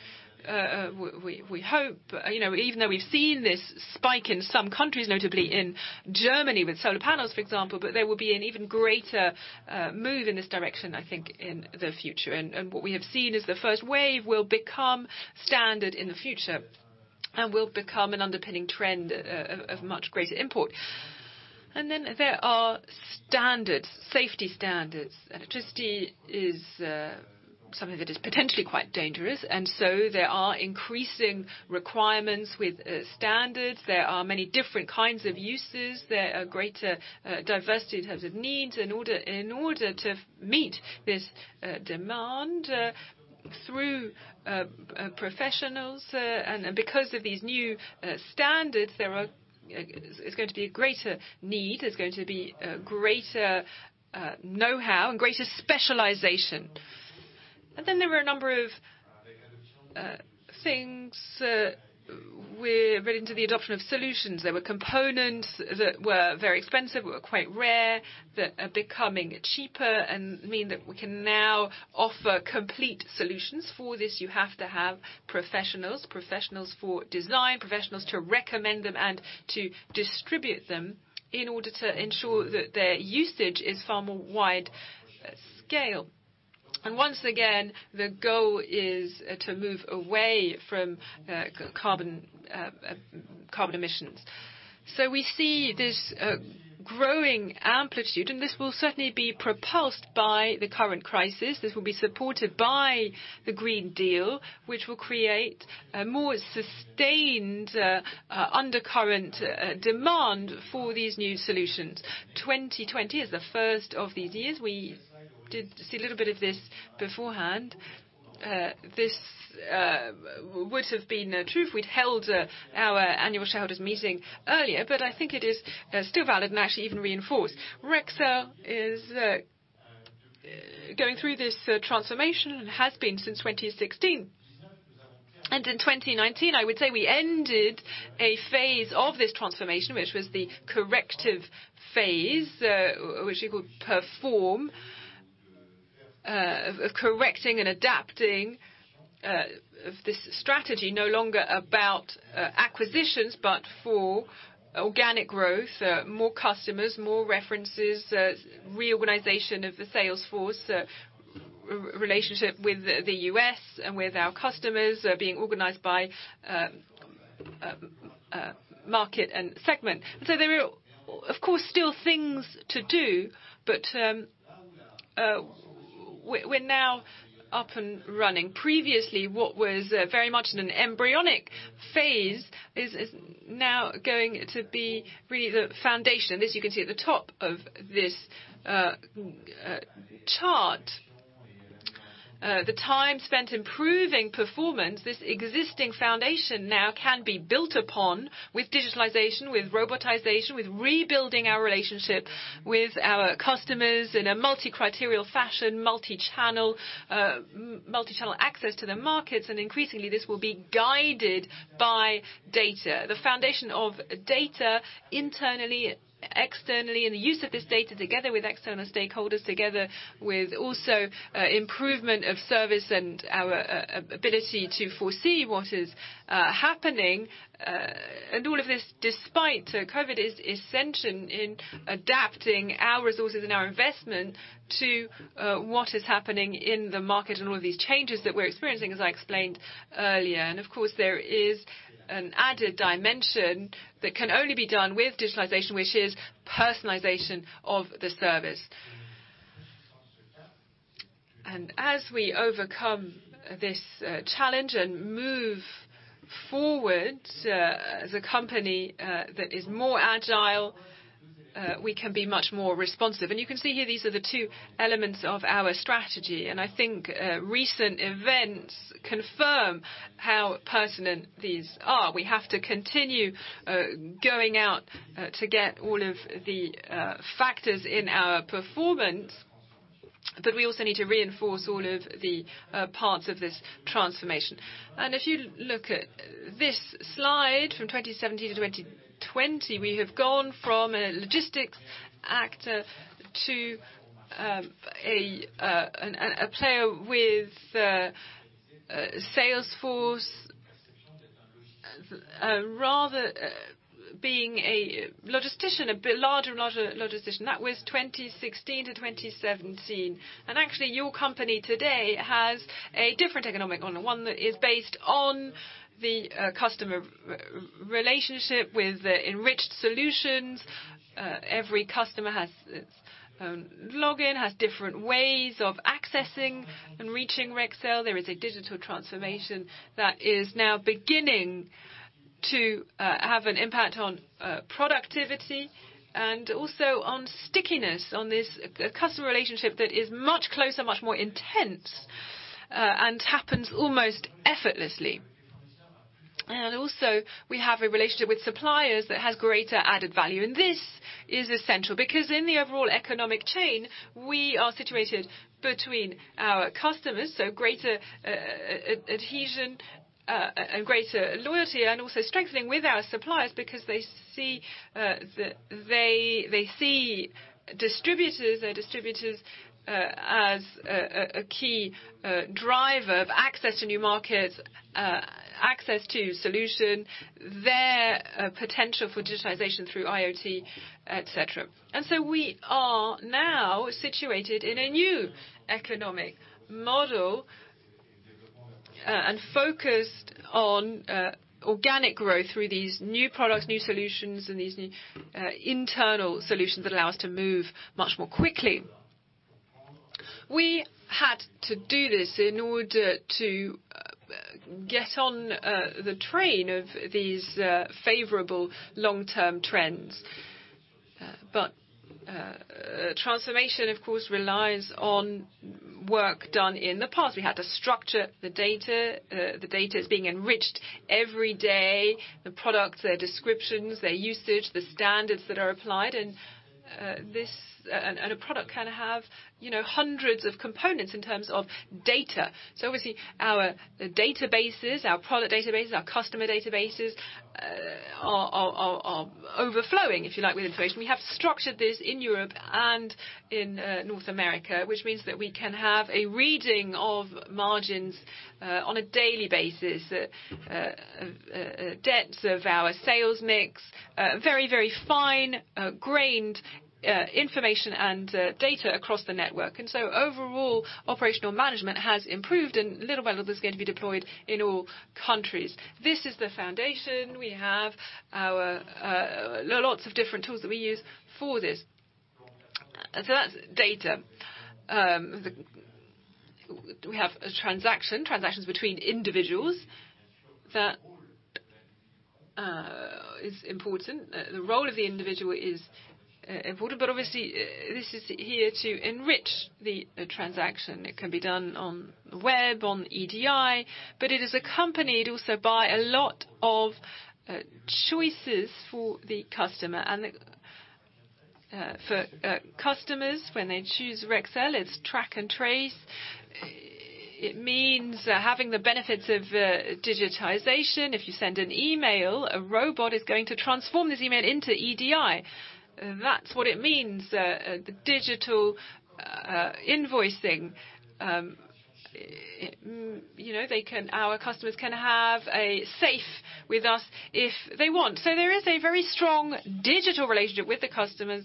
Speaker 2: we hope, even though we've seen this spike in some countries, notably in Germany, with solar panels, for example, but there will be an even greater move in this direction, I think, in the future. What we have seen is the first wave will become standard in the future and will become an underpinning trend of much greater import. There are standards, safety standards. Electricity is something that is potentially quite dangerous. There are increasing requirements with standards. There are many different kinds of uses. There are greater diversity in terms of needs in order to meet this demand, through professionals. Because of these new standards, there's going to be a greater need, there's going to be greater know-how and greater specialization. There are a number of things relating to the adoption of solutions. There were components that were very expensive, were quite rare, that are becoming cheaper and mean that we can now offer complete solutions. For this, you have to have professionals. Professionals for design, professionals to recommend them, and to distribute them in order to ensure that their usage is far more wide scale. Once again, the goal is to move away from carbon emissions. We see this growing amplitude, and this will certainly be propelled by the current crisis. This will be supported by the Green Deal, which will create a more sustained undercurrent demand for these new solutions. 2020 is the first of these years. We did see a little bit of this beforehand. This would have been true if we'd held our annual shareholders meeting earlier, but I think it is still valid and actually even reinforced. Rexel is going through this transformation and has been since 2016. In 2019, I would say we ended a phase of this transformation, which was the corrective phase, which we could perform, of correcting and adapting this strategy, no longer about acquisitions, but for organic growth, more customers, more references, reorganization of the sales force, relationship with the U.S. and with our customers being organized by market and segment. There are, of course, still things to do. We're now up and running. Previously, what was very much in an embryonic phase is now going to be really the foundation. This you can see at the top of this chart. The time spent improving performance, this existing foundation now can be built upon with digitalization, with robotization, with rebuilding our relationship with our customers in a multi-criteria fashion, multi-channel access to the markets. Increasingly, this will be guided by data. The foundation of data internally, externally, and the use of this data together with external stakeholders, together with also improvement of service and our ability to foresee what is happening. All of this, despite COVID, is essential in adapting our resources and our investment to what is happening in the market and all of these changes that we're experiencing, as I explained earlier. Of course, there is an added dimension that can only be done with digitalization, which is personalization of the service. As we overcome this challenge and move forward as a company that is more agile, we can be much more responsive. You can see here, these are the two elements of our strategy. I think recent events confirm how pertinent these are. We have to continue going out to get all of the factors in our performance. We also need to reinforce all of the parts of this transformation. If you look at this slide from 2017 to 2020, we have gone from a logistics actor, rather being a logistician, a bit larger logistician, to a player with sales force. That was 2016 to 2017. Actually, your company today has a different economic model, one that is based on the customer relationship with enriched solutions. Every customer has its own login, has different ways of accessing and reaching Rexel. There is a digital transformation that is now beginning to have an impact on productivity and also on stickiness on this customer relationship that is much closer, much more intense, and happens almost effortlessly. Also, we have a relationship with suppliers that has greater added value. This is essential because in the overall economic chain, we are situated between our customers, so greater adhesion and greater loyalty, and also strengthening with our suppliers because they see distributors as a key driver of access to new markets, access to solution, their potential for digitization through IoT, et cetera. We are now situated in a new economic model, and focused on organic growth through these new products, new solutions, and these new internal solutions that allow us to move much more quickly. We had to do this in order to get on the train of these favorable long-term trends. Transformation, of course, relies on work done in the past. We had to structure the data. The data is being enriched every day, the products, their descriptions, their usage, the standards that are applied, and a product can have hundreds of components in terms of data. Obviously, our databases, our product databases, our customer databases are overflowing, if you like, with information. We have structured this in Europe and in North America, which means that we can have a reading of margins on a daily basis, depths of our sales mix, very fine-grained information and data across the network. Overall, operational management has improved and little by little is going to be deployed in all countries. This is the foundation. We have lots of different tools that we use for this. That's data. We have transactions between individuals. That is important. The role of the individual is important, but obviously this is here to enrich the transaction. It can be done on the web, on EDI, but it is accompanied also by a lot of choices for the customer. For customers, when they choose Rexel, it's track and trace. It means having the benefits of digitization. If you send an email, a robot is going to transform this email into EDI. That's what it means, the digital invoicing. Our customers can have a safe with us if they want. There is a very strong digital relationship with the customers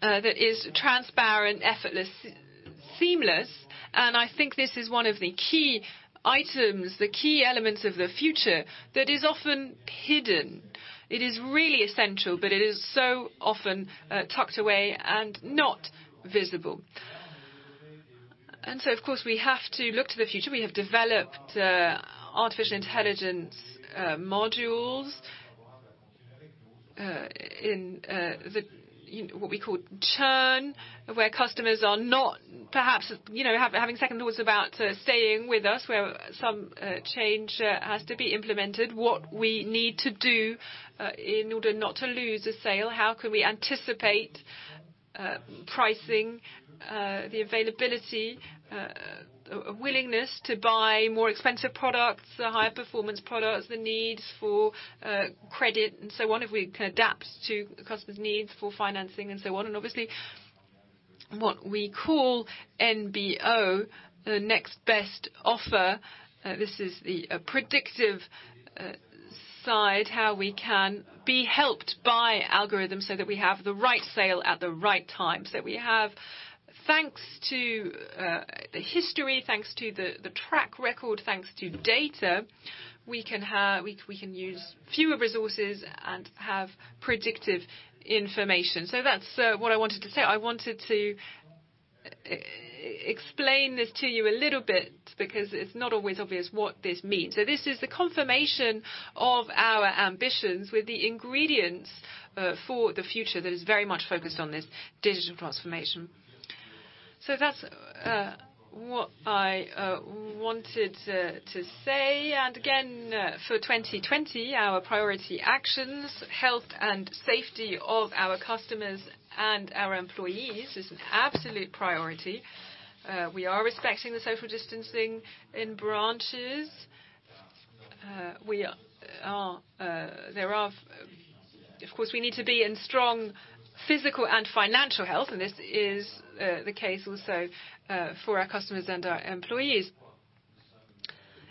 Speaker 2: that is transparent, effortless, seamless. I think this is one of the key items, the key elements of the future that is often hidden. It is really essential, but it is so often tucked away and not visible. Of course, we have to look to the future. We have developed artificial intelligence modules in what we call churn, where customers are having second thoughts about staying with us, where some change has to be implemented. What we need to do in order not to lose a sale, how can we anticipate pricing, the availability, willingness to buy more expensive products, the higher performance products, the needs for credit, and so on, if we can adapt to customers' needs for financing and so on. Obviously, what we call NBO, the next best offer. This is the predictive side, how we can be helped by algorithms so that we have the right sale at the right time, that we have, thanks to the history, thanks to the track record, thanks to data, we can use fewer resources and have predictive information. That's what I wanted to say. I wanted to explain this to you a little bit because it's not always obvious what this means. This is the confirmation of our ambitions with the ingredients for the future that is very much focused on this digital transformation. That's what I wanted to say. Again, for 2020, our priority actions, health and safety of our customers and our employees is an absolute priority. We are respecting the social distancing in branches. Of course, we need to be in strong physical and financial health, and this is the case also for our customers and our employees.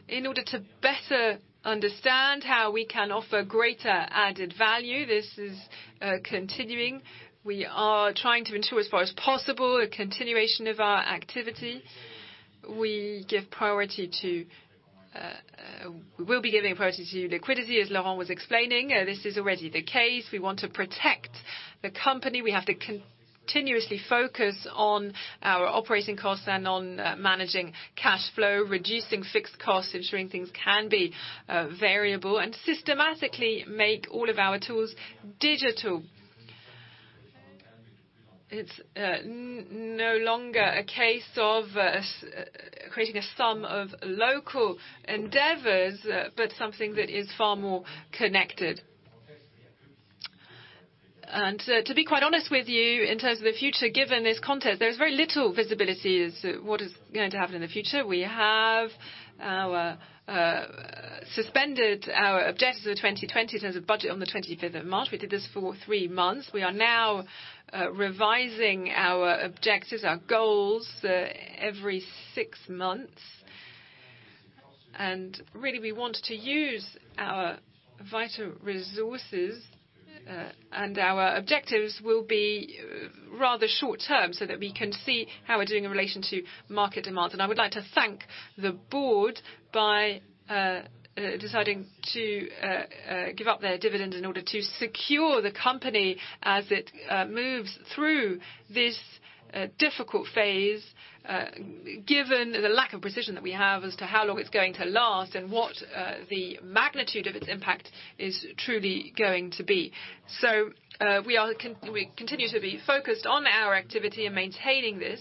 Speaker 2: In order to better understand how we can offer greater added value, this is continuing. We are trying to ensure as far as possible a continuation of our activity. We will be giving priority to liquidity, as Laurent was explaining. This is already the case. We want to protect the company. We have to continuously focus on our operating costs and on managing cash flow, reducing fixed costs, ensuring things can be variable, and systematically make all of our tools digital. It's no longer a case of creating a sum of local endeavors, but something that is far more connected. To be quite honest with you, in terms of the future, given this context, there is very little visibility as to what is going to happen in the future. We have suspended our objectives for 2020 in terms of budget on the 25th of March. We did this for three months. We are now revising our objectives, our goals every six months. Really, we want to use our vital resources, and our objectives will be rather short-term, so that we can see how we're doing in relation to market demands. I would like to thank the board for deciding to give up their dividend in order to secure the company as it moves through this difficult phase, given the lack of precision that we have as to how long it's going to last and what the magnitude of its impact is truly going to be. We continue to be focused on our activity and maintaining this.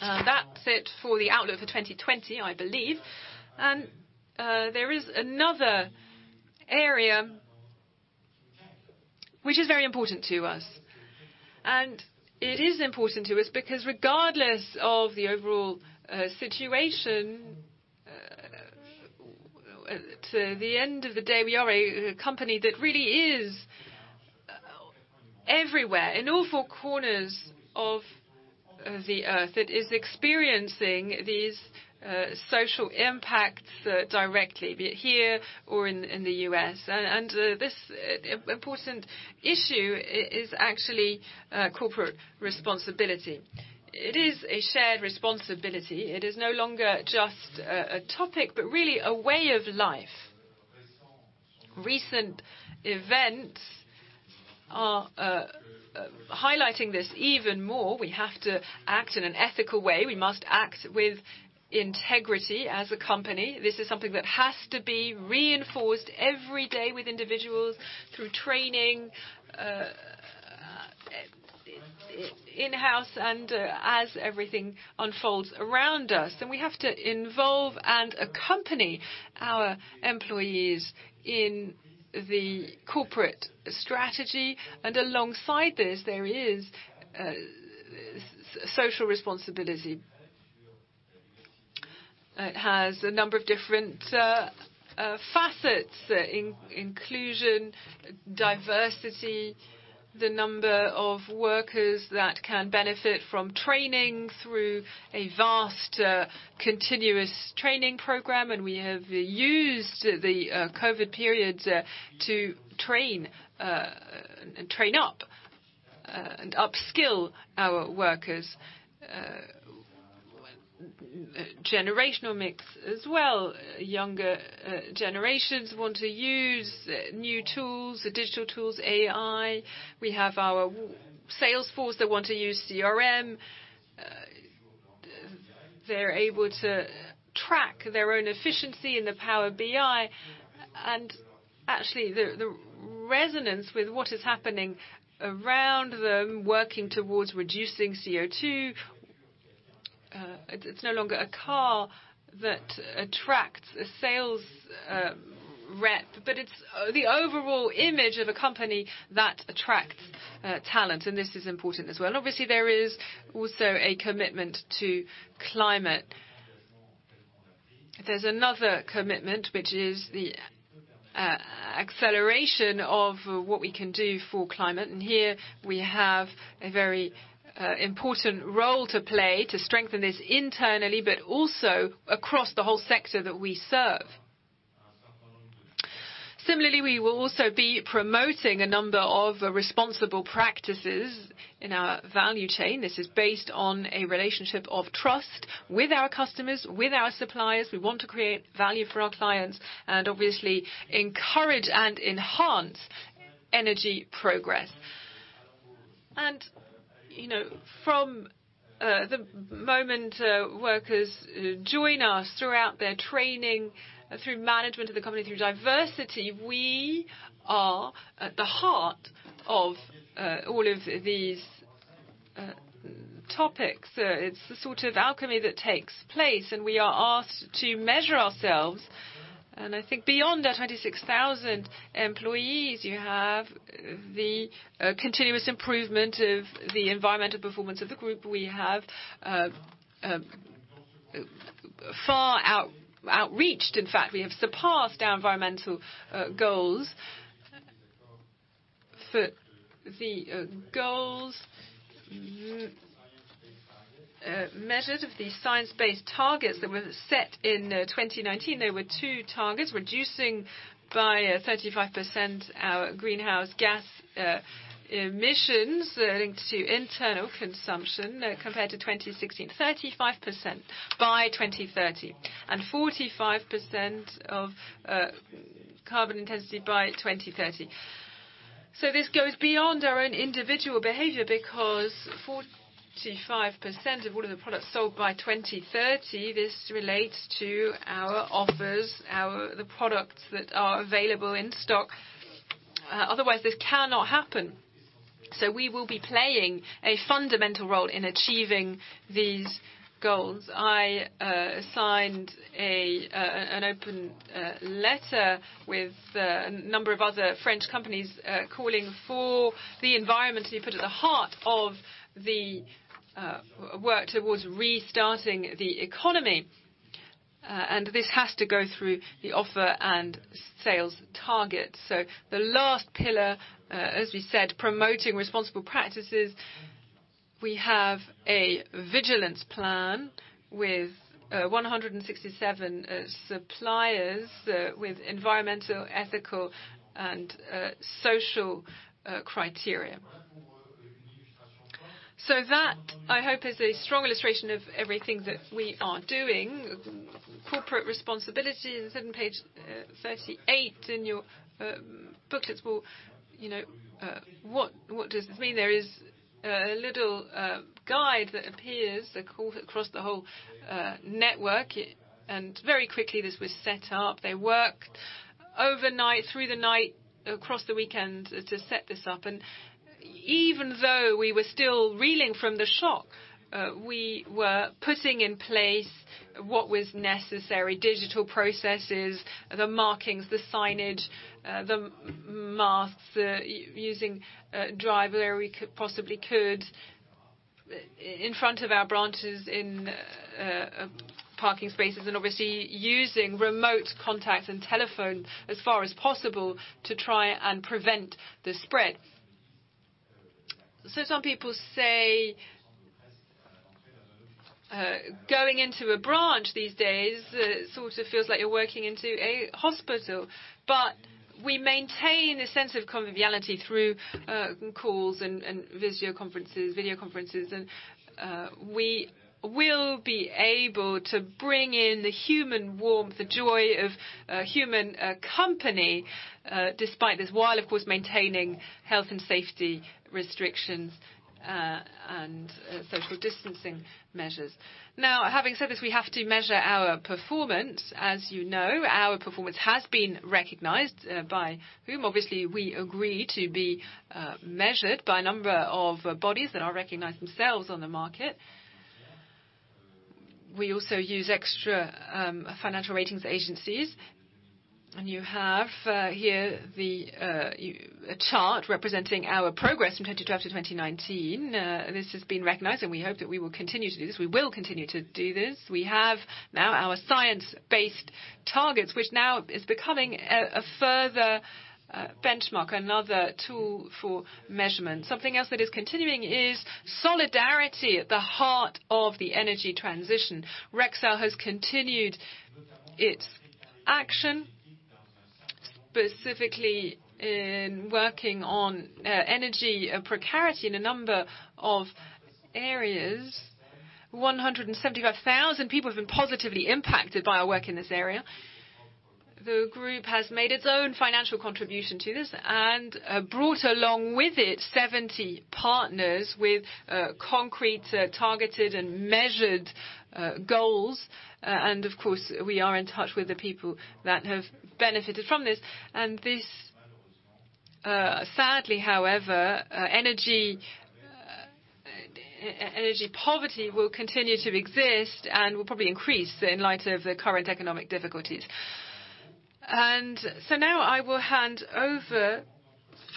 Speaker 2: That's it for the outlook for 2020, I believe. There is another area which is very important to us. It is important to us because regardless of the overall situation, at the end of the day, we are a company that really is everywhere, in all four corners of the Earth. It is experiencing these social impacts directly, be it here or in the U.S. This important issue is actually corporate responsibility. It is a shared responsibility. It is no longer just a topic, but really a way of life. Recent events are highlighting this even more. We have to act in an ethical way. We must act with integrity as a company. This is something that has to be reinforced every day with individuals through training, in-house, and as everything unfolds around us. We have to involve and accompany our employees in the corporate strategy. Alongside this, there is social responsibility. It has a number of different facets: inclusion, diversity, the number of workers that can benefit from training through a vast continuous training program. We have used the COVID period to train up and upskill our workers. Generational mix as well. Younger generations want to use new tools, digital tools, AI. We have our sales force that want to use CRM. They're able to track their own efficiency in the Power BI. Actually, the resonance with what is happening around them, working towards reducing CO2. It's no longer a car that attracts a sales rep, but it's the overall image of a company that attracts talent, and this is important as well. Obviously, there is also a commitment to climate. There's another commitment, which is the acceleration of what we can do for climate. Here we have a very important role to play to strengthen this internally, but also across the whole sector that we serve. Similarly, we will also be promoting a number of responsible practices in our value chain. This is based on a relationship of trust with our customers, with our suppliers. We want to create value for our clients and obviously encourage and enhance energy progress. From the moment workers join us throughout their training, through management of the company, through diversity, we are at the heart of all of these topics. It's the sort of alchemy that takes place. We are asked to measure ourselves. I think beyond our 26,000 employees, you have the continuous improvement of the environmental performance of the group. Far outreached, in fact, we have surpassed our environmental goals. The goals measured of the science-based targets that were set in 2019, there were two targets, reducing by 35% our greenhouse gas emissions linked to internal consumption compared to 2016. 35% by 2030. 45% of carbon intensity by 2030. This goes beyond our own individual behavior, because 45% of all of the products sold by 2030, this relates to our offers, the products that are available in stock. Otherwise, this cannot happen. We will be playing a fundamental role in achieving these goals. I signed an open letter with a number of other French companies, calling for the environment to be put at the heart of the work towards restarting the economy. This has to go through the offer and sales target. The last pillar, as we said, promoting responsible practices. We have a vigilance plan with 167 suppliers, with environmental, ethical, and social criteria. That, I hope, is a strong illustration of everything that we are doing. Corporate responsibility is on page 38 in your booklets. Well, what does it mean? There is a little guide that appears across the whole network, and very quickly this was set up. They worked overnight, through the night, across the weekend, to set this up. Even though we were still reeling from the shock, we were putting in place what was necessary, digital processes, the markings, the signage, the masks, using drive where we possibly could in front of our branches, in parking spaces, obviously using remote contact and telephone as far as possible to try and prevent the spread. Some people say, going into a branch these days sort of feels like you're walking into a hospital, but we maintain a sense of conviviality through calls and video conferences. We will be able to bring in the human warmth, the joy of human company, despite this, while, of course, maintaining health and safety restrictions, and social distancing measures. Having said this, we have to measure our performance. As you know, our performance has been recognized by whom? Obviously, we agree to be measured by a number of bodies that are recognized themselves on the market. We also use extra financial ratings agencies. You have here a chart representing our progress from 2012 to 2019. This has been recognized, and we hope that we will continue to do this. We will continue to do this. We have now our science-based targets, which now is becoming a further benchmark, another tool for measurement. Something else that is continuing is solidarity at the heart of the energy transition. Rexel has continued its action, specifically in working on energy precarity in a number of areas. 175,000 people have been positively impacted by our work in this area. The group has made its own financial contribution to this and brought along with it 70 partners with concrete, targeted, and measured goals. Of course, we are in touch with the people that have benefited from this. This sadly, however, energy poverty will continue to exist and will probably increase in light of the current economic difficulties. Now I will hand over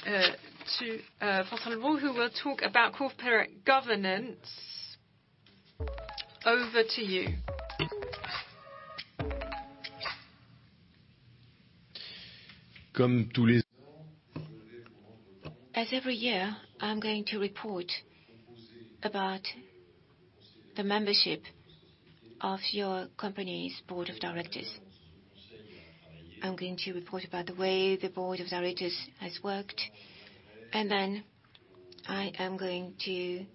Speaker 2: to François Henrot, who will talk about corporate governance. Over to you.
Speaker 1: As every year, I'm going to report about the membership of your company's board of directors. I'm going to report about the way the board of directors has worked, I am going to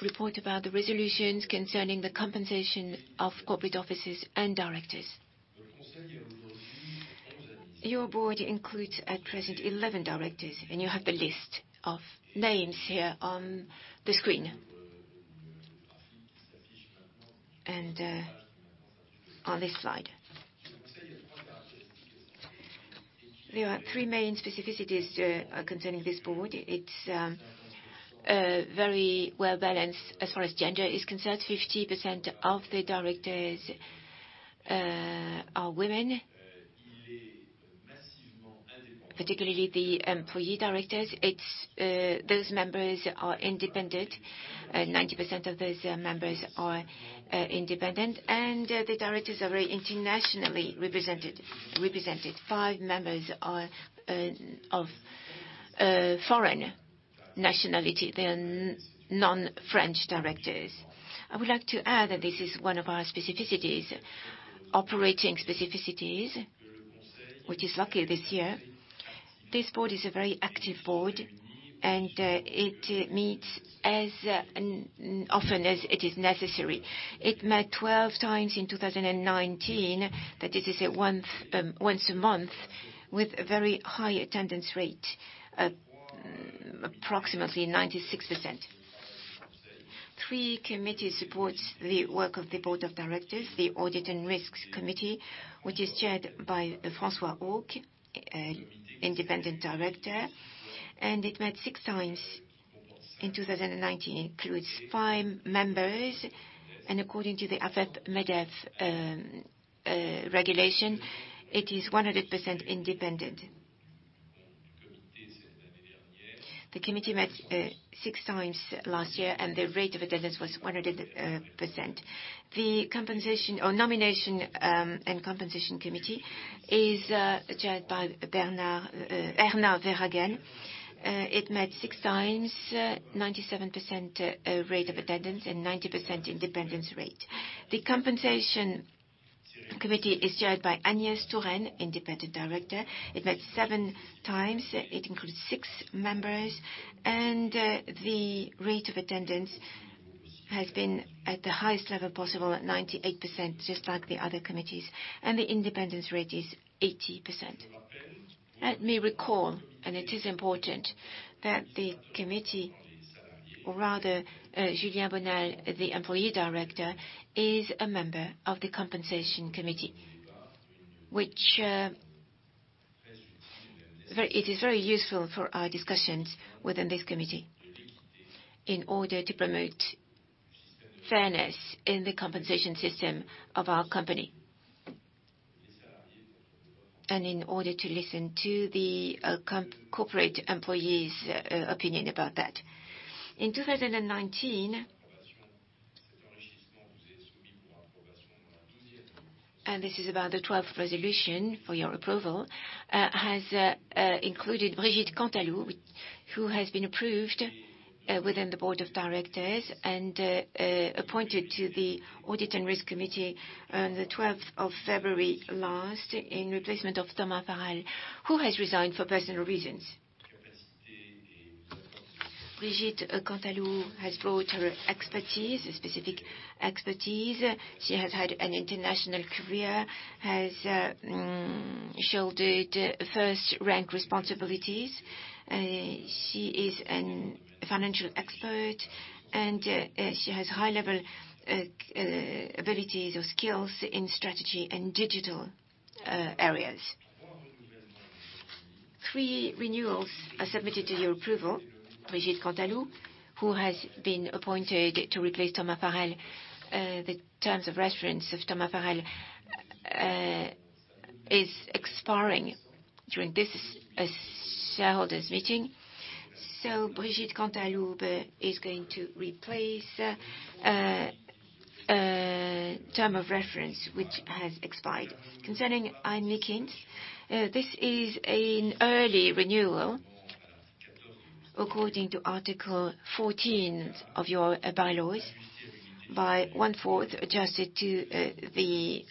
Speaker 1: report about the resolutions concerning the compensation of corporate officers and directors. Your board includes, at present, 11 directors, you have the list of names here on the screen. On this slide. There are three main specificities concerning this board. It's very well-balanced as far as gender is concerned. 50% of the directors are women. Particularly the employee directors, those members are independent. 90% of those members are independent, the directors are very internationally represented. Five members are of foreign nationality. They are non-French directors. I would like to add that this is one of our specificities, operating specificities, which is lucky this year. This board is a very active board, and it meets as often as it is necessary. It met 12 times in 2019, that it is at once a month, with a very high attendance rate of approximately 96%. Three committees support the work of the board of directors, the Audit and Risks Committee, which is chaired by Francois Auque, independent director, and it met six times in 2019. It includes five members, and according to the AFEP-MEDEF regulation, it is 100% independent. The committee met six times last year, and the rate of attendance was 100%. The nomination and compensation committee is chaired by Herna Verhagen. It met six times, 97% rate of attendance, and 90% independence rate. The compensation committee is chaired by Agnès Touraine, independent director. It met seven times. It includes six members, the rate of attendance has been at the highest level possible, at 98%, just like the other committees. The independence rate is 80%. Let me recall, it is important, that the committee, or rather Julien Bonnel, the employee director, is a member of the Compensation Committee. It is very useful for our discussions within this committee in order to promote fairness in the compensation system of our company, in order to listen to the corporate employees' opinion about that. In 2019, this is about the 12th resolution for your approval, has included Brigitte Cantaloube, who has been approved within the Board of Directors and appointed to the Audit and Risk Committee on the 12th of February last, in replacement of Thomas Farrell, who has resigned for personal reasons. Brigitte Cantaloube has brought her specific expertise. She has had an international career, has shouldered first-rank responsibilities. She is a financial expert, and she has high-level abilities or skills in strategy and digital areas. Three renewals are submitted to your approval. Brigitte Cantaloube, who has been appointed to replace Thomas Farrell. The terms of reference of Thomas Farrell is expiring during this shareholders' meeting. Brigitte Cantaloube is going to replace term of reference which has expired. Concerning Ian Meakins, this is an early renewal, according to Article 14 of your bylaws, by one-fourth adjusted to the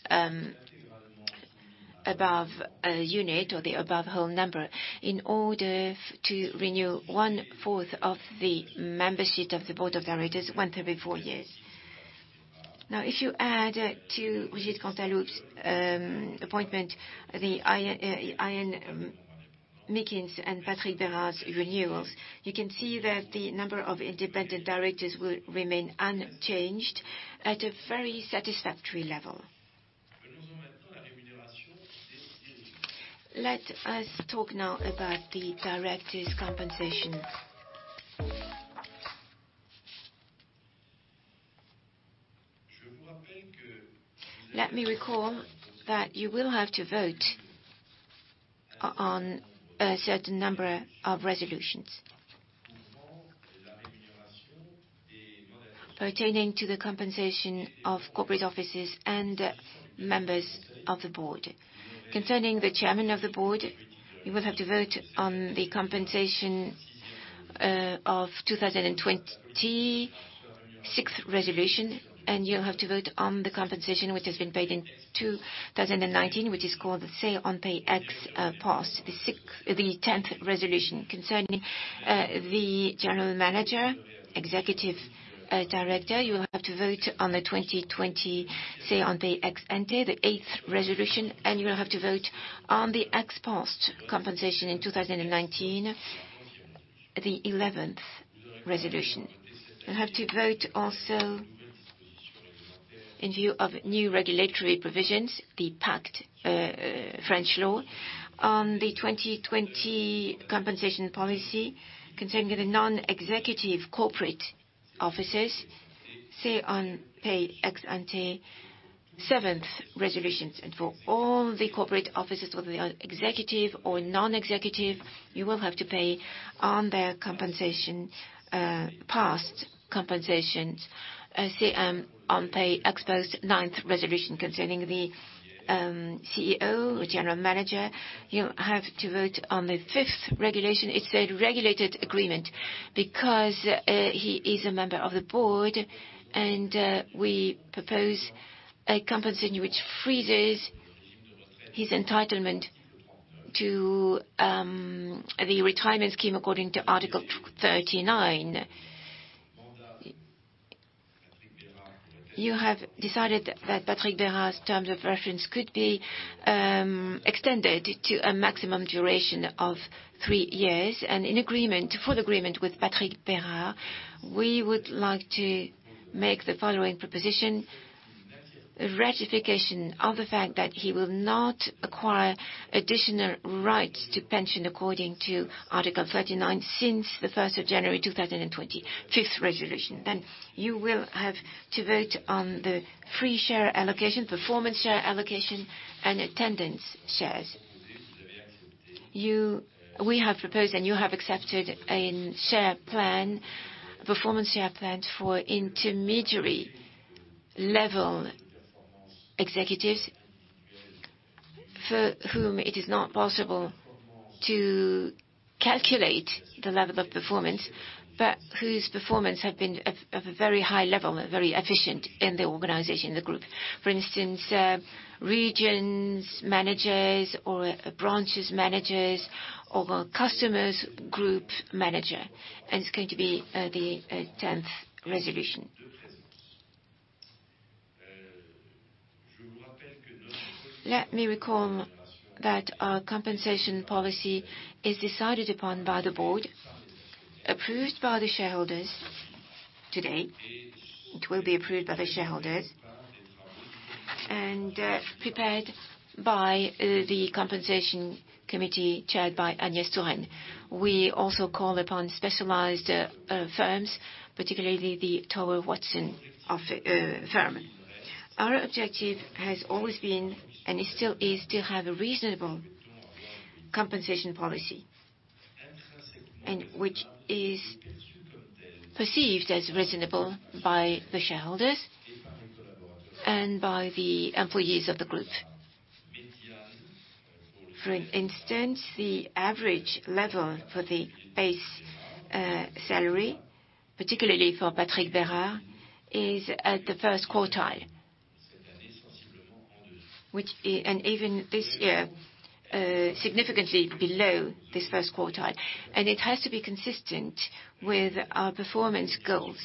Speaker 1: above unit or the above whole number in order to renew one-fourth of the membership of the board of directors once every four years. If you add to Brigitte Cantaloube's appointment, the Ian Meakins and Patrick Bérard's renewals, you can see that the number of independent directors will remain unchanged at a very satisfactory level. Let us talk now about the directors' compensation. Let me recall that you will have to vote on a certain number of resolutions pertaining to the compensation of corporate officers and members of the board. Concerning the Chairman of the Board, you will have to vote on the compensation of 2020, sixth resolution, and you'll have to vote on the compensation which has been paid in 2019, which is called the Say on Pay Ex Post, the 10th resolution. Concerning the General Manager, Executive Director, you will have to vote on the 2020 Say on Pay Ex Ante, the eighth resolution, and you will have to vote on the ex post compensation in 2019, the 11th resolution. You have to vote also in view of new regulatory provisions, the PACTE French law, on the 2020 compensation policy concerning the non-executive corporate officers, Say on Pay Ex Ante, seventh resolution, and for all the corporate officers, whether they are executive or non-executive, you will have to pay on their past compensations. On the Say on Pay Ex Post ninth resolution concerning the CEO, General Manager, you have to vote on the fifth regulation. It's a regulated agreement because he is a member of the board, and we propose a compensation which freezes his entitlement to the retirement scheme, according to Article 39. You have decided that Patrick Bérard's terms of reference could be extended to a maximum duration of three years, and in full agreement with Patrick Bérard, we would like to make the following proposition: ratification of the fact that he will not acquire additional rights to pension according to Article 39 since the 1st of January 2020, fifth resolution. You will have to vote on the free share allocation, performance share allocation, and attendance shares. We have proposed and you have accepted a performance share plan for intermediary-level executives for whom it is not possible to calculate the level of performance, but whose performance have been of a very high level and very efficient in the organization, the group. For instance, regions managers or branches managers or a customers group manager, and it's going to be the 10th resolution. Let me recall that our compensation policy is decided upon by the board, approved by the shareholders today. It will be approved by the shareholders and prepared by the compensation committee chaired by Agnès Touraine. We also call upon specialized firms, particularly the Towers Watson firm. Our objective has always been, and it still is, to have a reasonable compensation policy, which is perceived as reasonable by the shareholders and by the employees of the group. For instance, the average level for the base salary, particularly for Patrick Bérard, is at the first quartile. Even this year, significantly below this first quartile, it has to be consistent with our performance goals,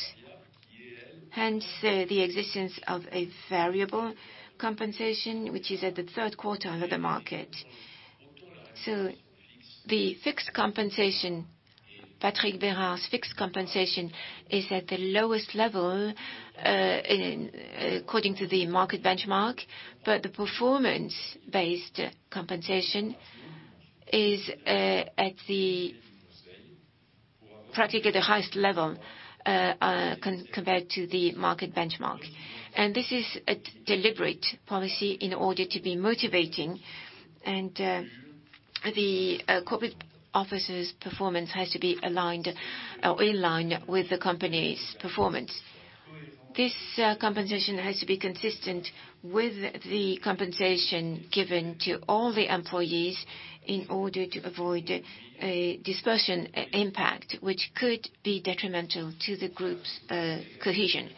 Speaker 1: hence the existence of a variable compensation which is at the third quartile of the market. Patrick Bérard's fixed compensation is at the lowest level according to the market benchmark. The performance-based compensation is at practically the highest level compared to the market benchmark. This is a deliberate policy in order to be motivating. The corporate officer's performance has to be in line with the company's performance. This compensation has to be consistent with the compensation given to all the employees in order to avoid a dispersion impact, which could be detrimental to the group's cohesion.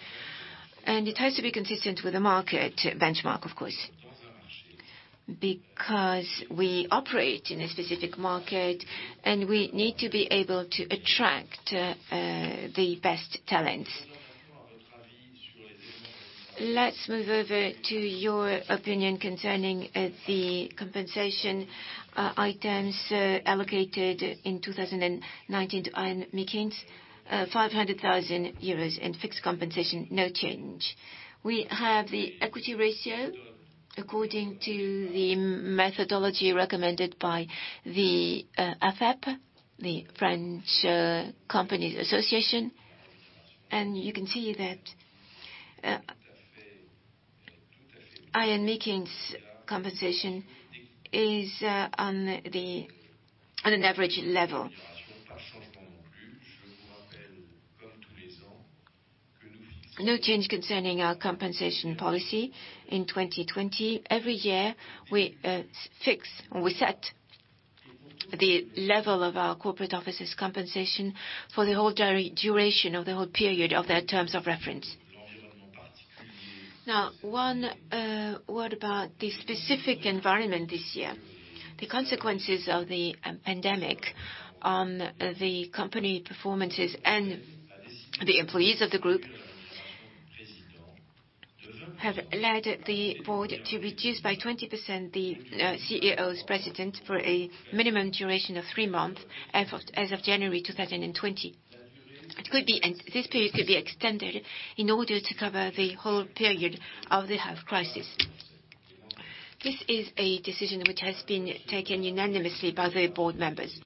Speaker 1: It has to be consistent with the market benchmark, of course, because we operate in a specific market, and we need to be able to attract the best talents. Let's move over to your opinion concerning the compensation items allocated in 2019 to Ian Meakins, 500,000 euros in fixed compensation, no change. We have the equity ratio according to the methodology recommended by the AFEP, the French Companies Association. You can see that Ian Meakins' compensation is on an average level. No change concerning our compensation policy in 2020. Every year, we set the level of our corporate officers' compensation for the whole duration, or the whole period, of their terms of reference. One word about the specific environment this year. The consequences of the pandemic on the company performances and the employees of the group have led the board to reduce by 20% the CEO's, president, for a minimum duration of three months as of January 2020. This period could be extended in order to cover the whole period of the health crisis. This is a decision which has been taken unanimously by the board members.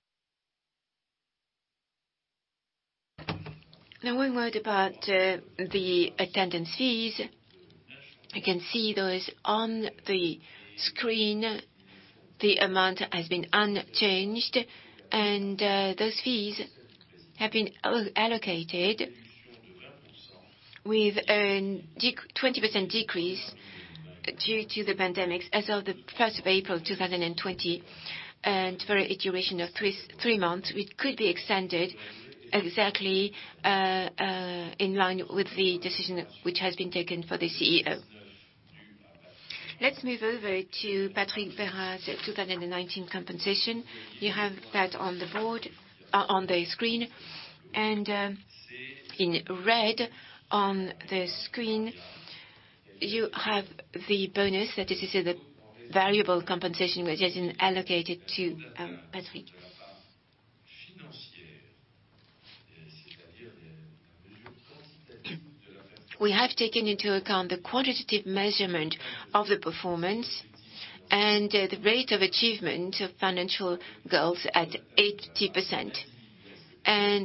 Speaker 1: One word about the attendance fees. You can see those on the screen. The amount has been unchanged, and those fees have been allocated with a 20% decrease due to the pandemic as of the 1st of April 2020, and for a duration of three months, which could be extended exactly in line with the decision which has been taken for the CEO. Let's move over to Patrick Bérard's 2019 compensation. You have that on the screen. In red on the screen, you have the bonus. That is the variable compensation which has been allocated to Patrick. We have taken into account the quantitative measurement of the performance and the rate of achievement of financial goals at 80%.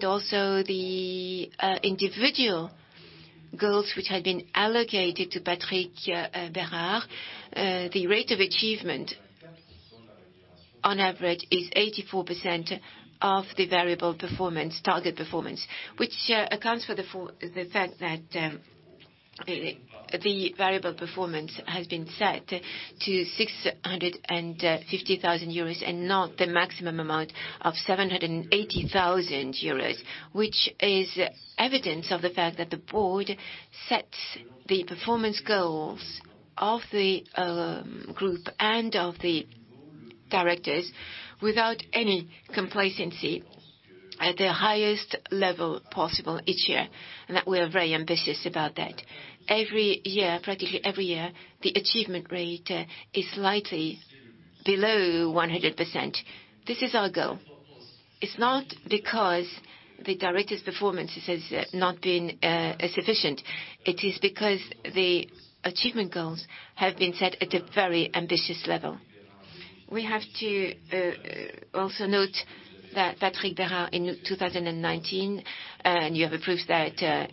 Speaker 1: Also the individual goals which had been allocated to Patrick Bérard, the rate of achievement on average is 84% of the variable target performance, which accounts for the fact that the variable performance has been set to 650,000 euros and not the maximum amount of 780,000 euros, which is evidence of the fact that the board sets the performance goals of the group and of the directors without any complacency at the highest level possible each year, and that we are very ambitious about that. Every year, practically, the achievement rate is slightly below 100%. This is our goal. It's not because the director's performance has not been sufficient. It is because the achievement goals have been set at a very ambitious level. We have to also note that Patrick Bérard, in 2019, and you have the proof that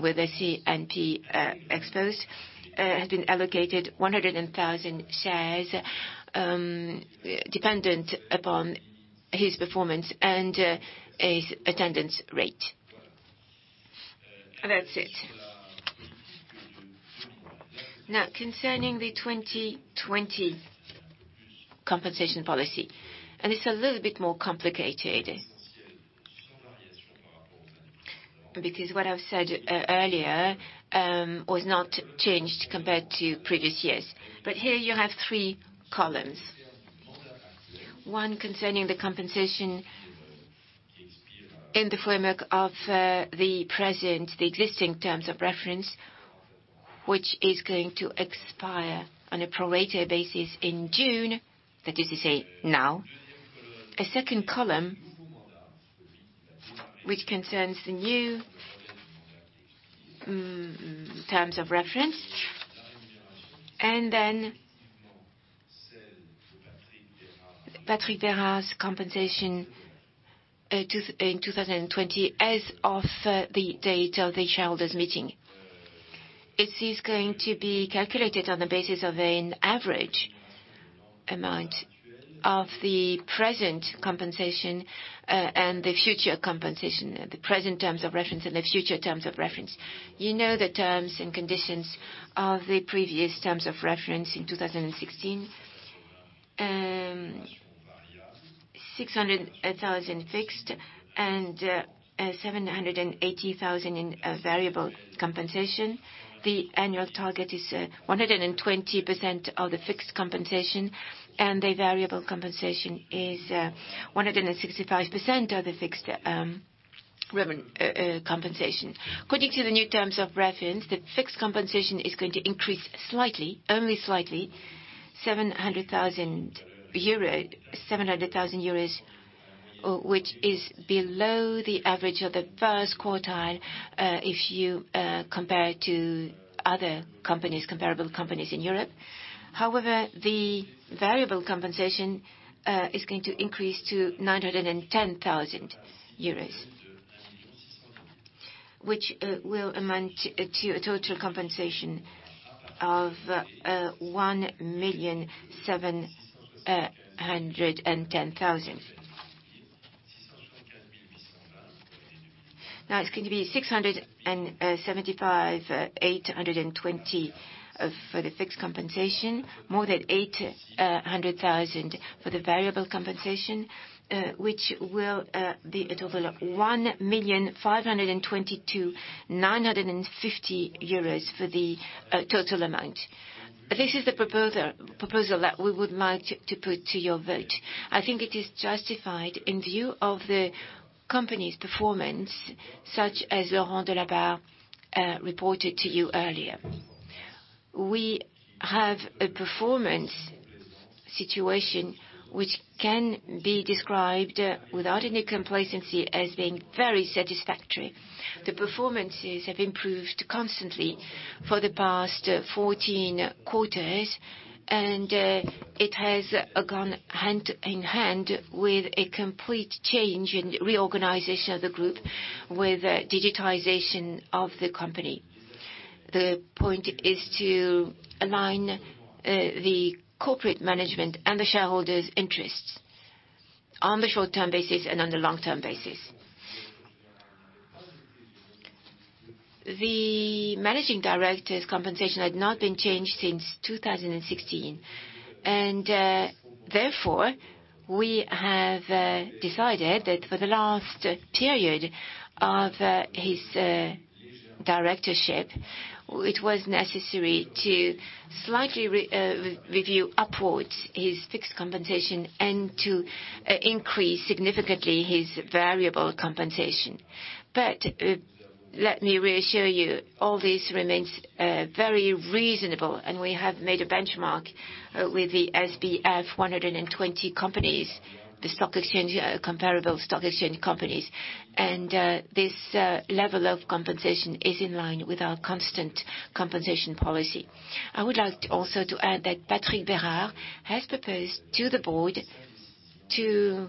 Speaker 1: with the CNP exposed, has been allocated 100,000 shares, dependent upon his performance and his attendance rate. That's it. Concerning the 2020 compensation policy, it's a little bit more complicated. What I've said earlier, was not changed compared to previous years. Here you have three columns. One concerning the compensation in the framework of the existing terms of reference, which is going to expire on a prorated basis in June, that is to say now. A second column, which concerns the new terms of reference, Patrick Bérard's compensation in 2020 as of the date of the shareholders' meeting. It is going to be calculated on the basis of an average amount of the present compensation, and the future compensation, the present terms of reference and the future terms of reference. You know the terms and conditions of the previous terms of reference in 2016, 600,000 fixed and 780,000 in variable compensation. The annual target is 120% of the fixed compensation, and the variable compensation is 165% of the fixed compensation. According to the new terms of reference, the fixed compensation is going to increase slightly, only slightly, 700,000 euro, which is below the average of the first quartile, if you compare it to other comparable companies in Europe. However, the variable compensation, is going to increase to 910,000 euros, which will amount to a total compensation of 1,710,000. Now it's going to be 675,820 for the fixed compensation, more than 800,000 for the variable compensation, which will be a total of 1,522,950 euros for the total amount. This is the proposal that we would like to put to your vote. I think it is justified in view of the company's performance, such as Laurent Delabarre reported to you earlier. We have a performance situation which can be described without any complacency as being very satisfactory. The performances have improved constantly for the past 14 quarters. It has gone hand in hand with a complete change in reorganization of the group with digitization of the company. The point is to align the corporate management and the shareholders' interests on the short-term basis and on the long-term basis. The managing director's compensation had not been changed since 2016, and therefore, we have decided that for the last period of his directorship, it was necessary to slightly review upwards his fixed compensation and to increase significantly his variable compensation. Let me reassure you, all this remains very reasonable, and we have made a benchmark with the SBF 120 companies, the stock exchange comparable, stock exchange companies. This level of compensation is in line with our constant compensation policy. I would like also to add that Patrick Bérard has proposed to the board to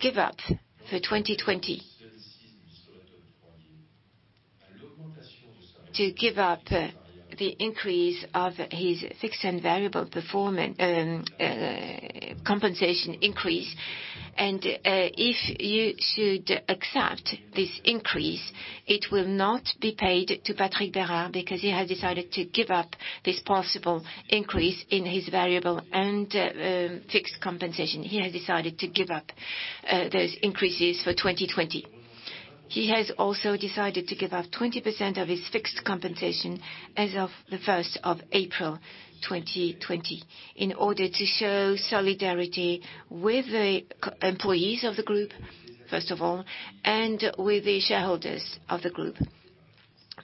Speaker 1: give up, for 2020, to give up the increase of his fixed and variable compensation increase. If you should accept this increase, it will not be paid to Patrick Bérard because he has decided to give up this possible increase in his variable and fixed compensation. He has decided to give up those increases for 2020. He has also decided to give up 20% of his fixed compensation as of the 1st of April 2020 in order to show solidarity with the employees of the Group, first of all, and with the shareholders of the Group,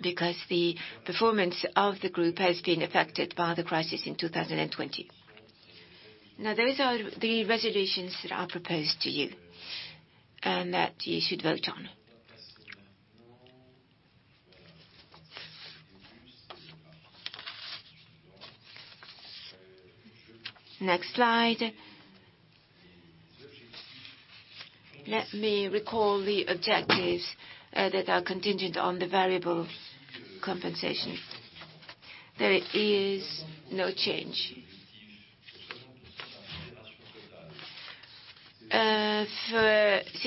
Speaker 1: because the performance of the Group has been affected by the crisis in 2020. Those are the resolutions that are proposed to you and that you should vote on. Next slide. Let me recall the objectives that are contingent on the variable compensation. There is no change. For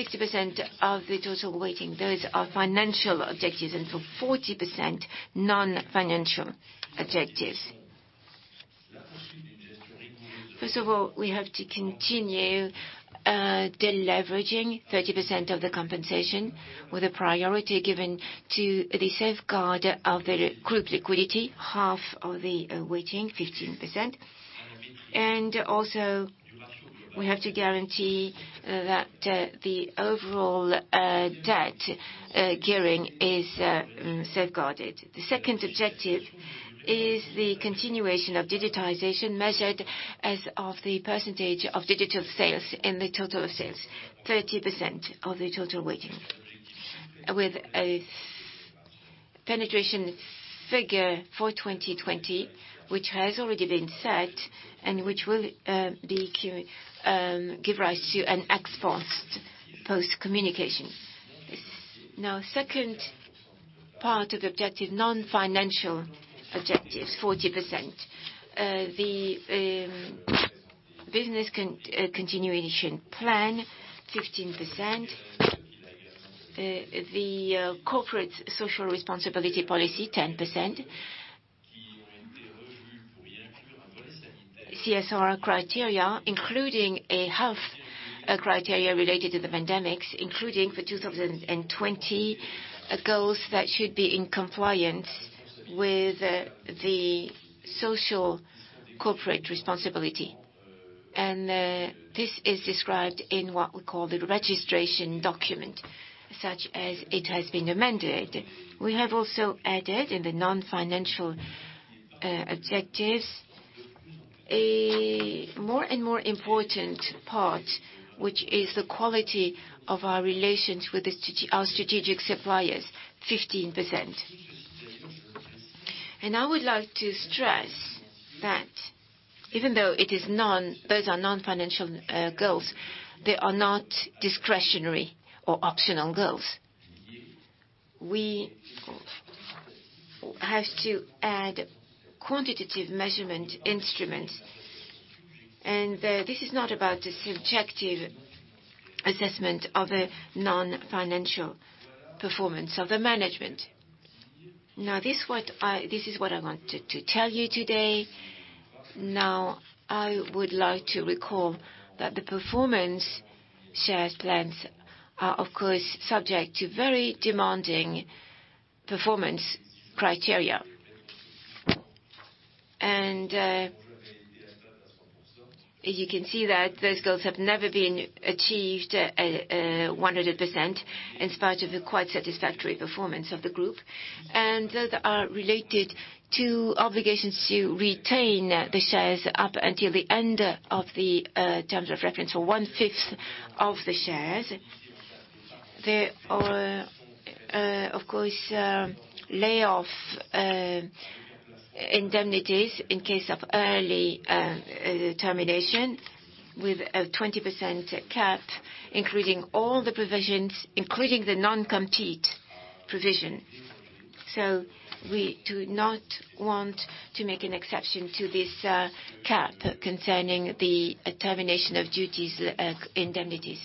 Speaker 1: 60% of the total weighting, those are financial objectives, and for 40%, non-financial objectives. First of all, we have to continue de-leveraging 30% of the compensation with a priority given to the safeguard of the Group liquidity, half of the weighting, 15%. Also, we have to guarantee that the overall debt gearing is safeguarded. The second objective is the continuation of digitization measured as of the percentage of digital sales in the total of sales, 30% of the total weighting. With a penetration figure for 2020, which has already been set and which will give rise to an ex-post communication. Second part of objective, non-financial objectives, 40%. The business continuation plan, 15%. The corporate social responsibility policy, 10%. CSR criteria, including a health criteria related to the pandemics, including for 2020, goals that should be in compliance with the social corporate responsibility. This is described in what we call the registration document, such as it has been amended. We have also added in the non-financial objectives, a more and more important part, which is the quality of our relations with our strategic suppliers, 15%. I would like to stress that even though those are non-financial goals, they are not discretionary or optional goals. We have to add quantitative measurement instruments, and this is not about the subjective assessment of a non-financial performance of the management. This is what I wanted to tell you today. I would like to recall that the performance shares plans are, of course, subject to very demanding performance criteria. You can see that those goals have never been achieved 100%, in spite of the quite satisfactory performance of the Group, and those are related to obligations to retain the shares up until the end of the terms of reference or one-fifth of the shares. There are, of course, layoff indemnities in case of early termination with a 20% cap, including all the provisions, including the non-compete provision. We do not want to make an exception to this cap concerning the termination of duties indemnities.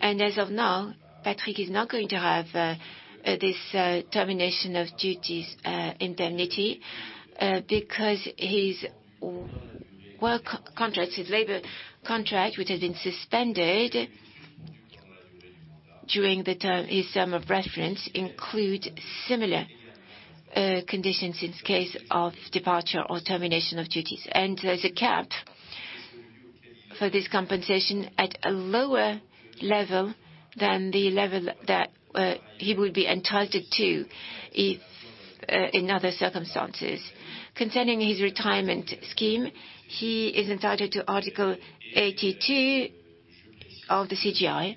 Speaker 1: As of now, Patrick is not going to have this termination of duties indemnity, because his work contract, his labor contract, which has been suspended during his term of reference, include similar conditions in case of departure or termination of duties. There's a cap for this compensation at a lower level than the level that he would be entitled to in other circumstances. Concerning his retirement scheme, he is entitled to Article 82 of the CGI.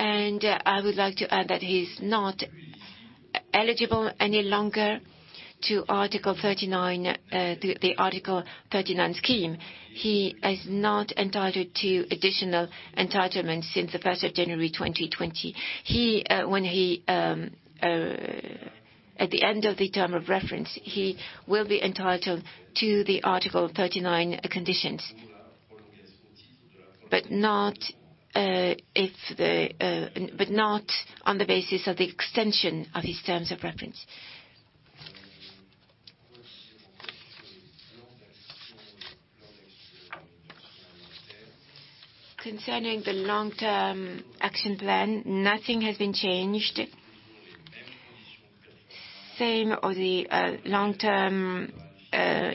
Speaker 1: I would like to add that he's not eligible any longer to the Article 39 scheme. He is not entitled to additional entitlements since the 1st of January 2020. At the end of the term of reference, he will be entitled to the Article 39 conditions, but not on the basis of the extension of his terms of reference. Concerning the long-term action plan, nothing has been changed. Same on the long-term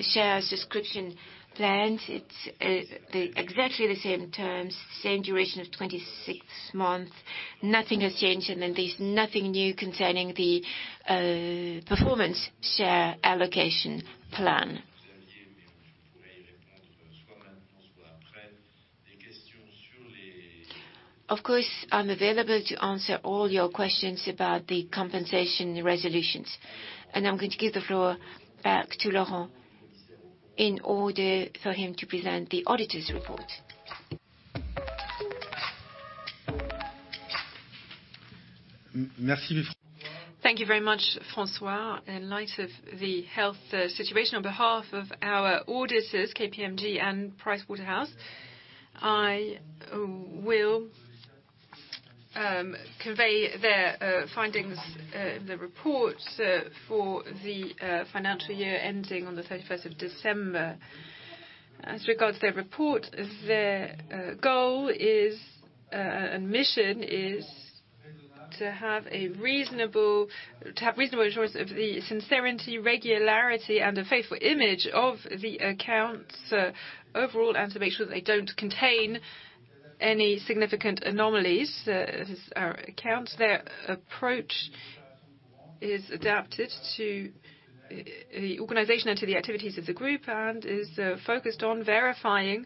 Speaker 1: share subscription plans. It's exactly the same terms, same duration of 26 months. Nothing has changed. There's nothing new concerning the performance share allocation plan. Of course, I'm available to answer all your questions about the compensation resolutions. I'm going to give the floor back to Laurent in order for him to present the auditors' report.
Speaker 3: Thank you very much, François. In light of the health situation, on behalf of our auditors, KPMG and PricewaterhouseCoopers, I will convey their findings, the report for the financial year ending on the 31st of December. As regards their report, their goal and mission is to have reasonable assurance of the sincerity, regularity, and a faithful image of the accounts overall, and to make sure they don't contain any significant anomalies as accounts. Their approach is adapted to the organization and to the activities of the group and is focused on verifying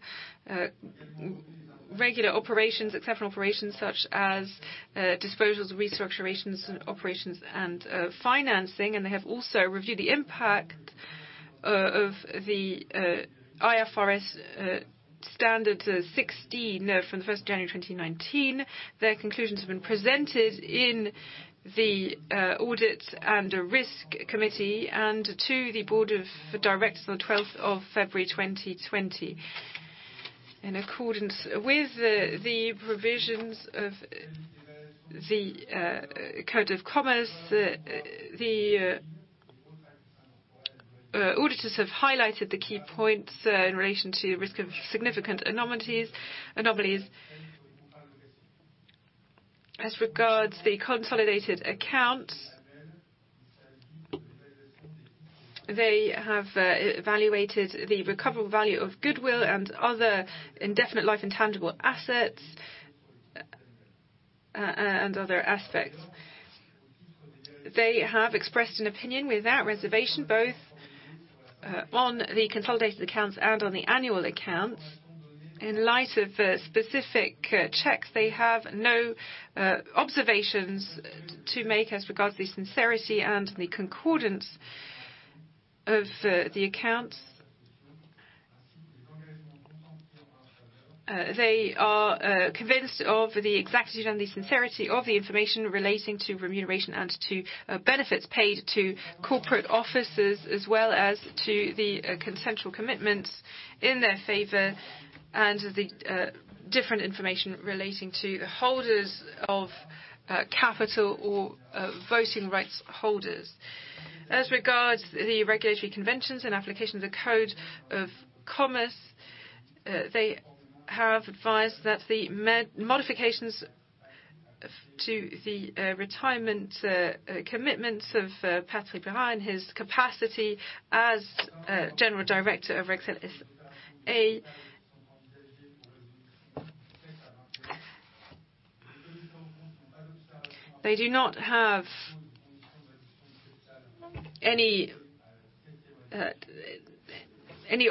Speaker 3: regular operations, exceptional operations such as disposals, restructurings, and operations and financing. They have also reviewed the impact of the IFRS 16 from the 1st of January 2019. Their conclusions have been presented in the Audit and Risk Committee and to the Board of Directors on the 12th of February 2020. In accordance with the provisions of the Code of Commerce, the auditors have highlighted the key points in relation to risk of significant anomalies. As regards the consolidated accounts, they have evaluated the recoverable value of goodwill and other indefinite life intangible assets, and other aspects. They have expressed an opinion without reservation, both on the consolidated accounts and on the annual accounts. In light of specific checks, they have no observations to make as regards the sincerity and the concordance of the accounts. They are convinced of the exactitude and the sincerity of the information relating to remuneration and to benefits paid to corporate officers, as well as to the consensual commitments in their favor and the different information relating to the holders of capital or voting rights holders. As regards the regulatory conventions and application of the Code of Commerce, they have advised that the modifications to the retirement commitments of Patrick Bérard, his capacity as General Director of Rexel. They do not have any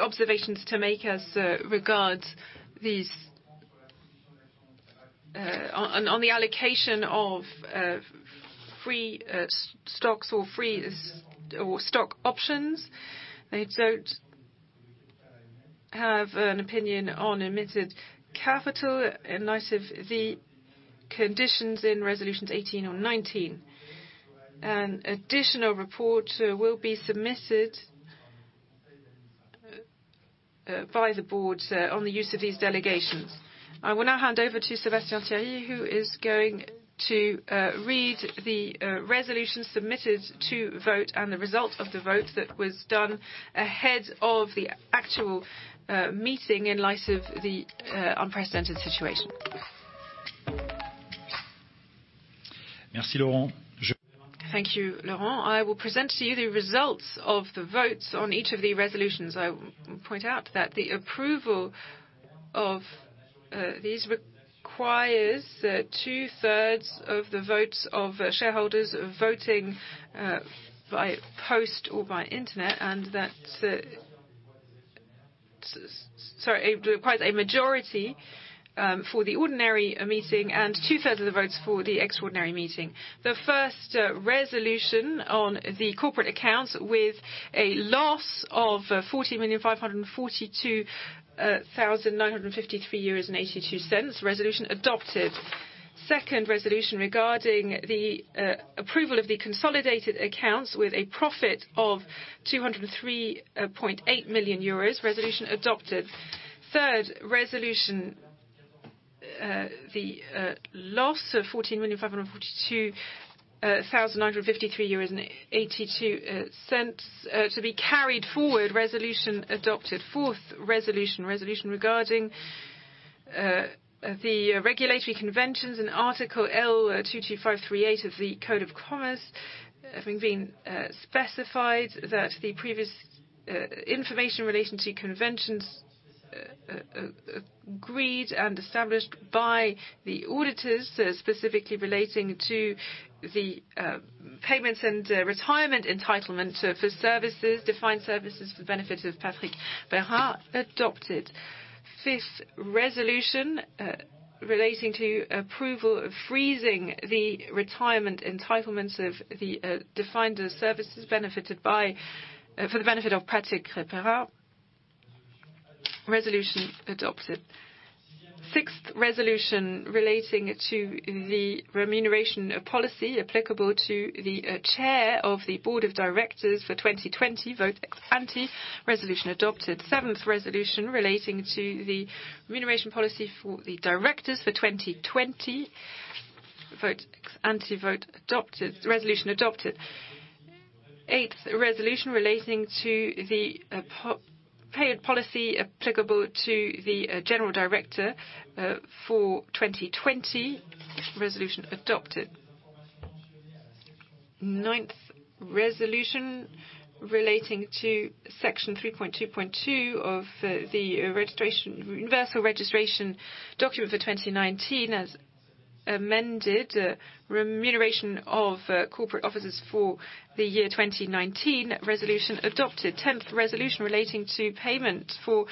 Speaker 3: observations to make as regards these. On the allocation of free stocks or free stock options. They don't have an opinion on admitted capital in light of the conditions in resolutions 18 or 19. An additional report will be submitted by the board on the use of these delegations. I will now hand over to Sébastien Thierry, who is going to read the resolution submitted to vote and the result of the vote that was done ahead of the actual meeting in light of the unprecedented situation.
Speaker 4: Thank you, Laurent. I will present to you the results of the votes on each of the resolutions. I will point out that the approval of these requires two-thirds of the votes of shareholders voting by post or by Internet and that requires a majority for the ordinary meeting and two-thirds of the votes for the extraordinary meeting. The first resolution on the corporate accounts with a loss of 14,542,953.82 euros, resolution adopted. Second resolution regarding the approval of the consolidated accounts with a profit of 203.8 million euros, resolution adopted. Third resolution, the loss of 14,542,953.82 euros to be carried forward, resolution adopted. Fourth resolution regarding the regulatory conventions in Article L225-38 of the Code of Commerce, having been specified that the previous information relating to conventions agreed and established by the auditors, specifically relating to the payments and retirement entitlement for services, defined services for the benefit of Patrick Bérard, adopted. Fifth resolution, relating to approval of freezing the retirement entitlements of the defined services for the benefit of Patrick Bérard. Resolution adopted. Sixth resolution relating to the remuneration policy applicable to the chair of the board of directors for 2020, vote ex-ante. Resolution adopted. Seventh resolution relating to the remuneration policy for the directors for 2020, vote ex-ante. Resolution adopted. Eighth resolution relating to the paid policy applicable to the general director for 2020. Resolution adopted. Ninth resolution relating to Section 3.2.2 of the universal registration document for 2019 as amended, remuneration of corporate officers for the year 2019. Resolution adopted. Tenth resolution relating to payment for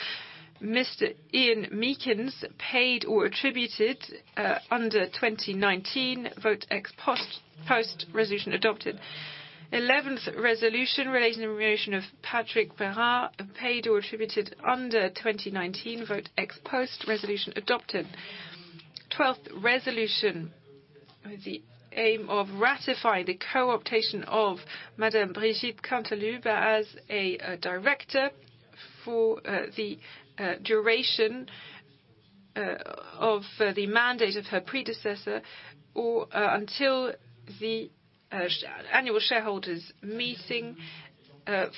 Speaker 4: Mr. Ian Meakins paid or attributed under 2019, vote ex post. Resolution adopted. Eleventh resolution relating to remuneration of Patrick Bérard, paid or attributed under 2019, vote ex post. Resolution adopted. 12th resolution with the aim of ratifying the co-optation of Madame Brigitte Cantaloube as a director for the duration of the mandate of her predecessor or until the annual shareholders meeting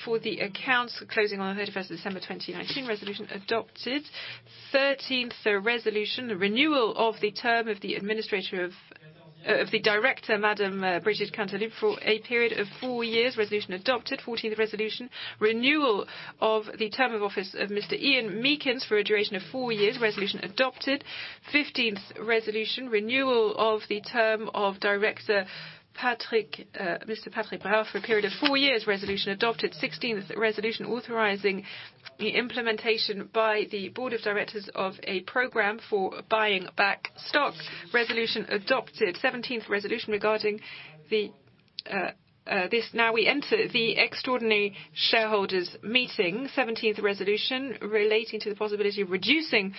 Speaker 4: for the accounts closing on the 31st of December 2019. Resolution adopted. 13th resolution, renewal of the term of the director, Madame Brigitte Cantaloube for a period of four years. Resolution adopted. 14th resolution, renewal of the term of office of Mr. Ian Meakins for a duration of four years. Resolution adopted. 15th resolution, renewal of the term of Director Mr. Patrick Bérard for a period of four years. Resolution adopted. 16th resolution authorizing the implementation by the board of directors of a program for buying back stock. Resolution adopted. Now we enter the extraordinary shareholders meeting. 17th resolution relating to the possibility of reducing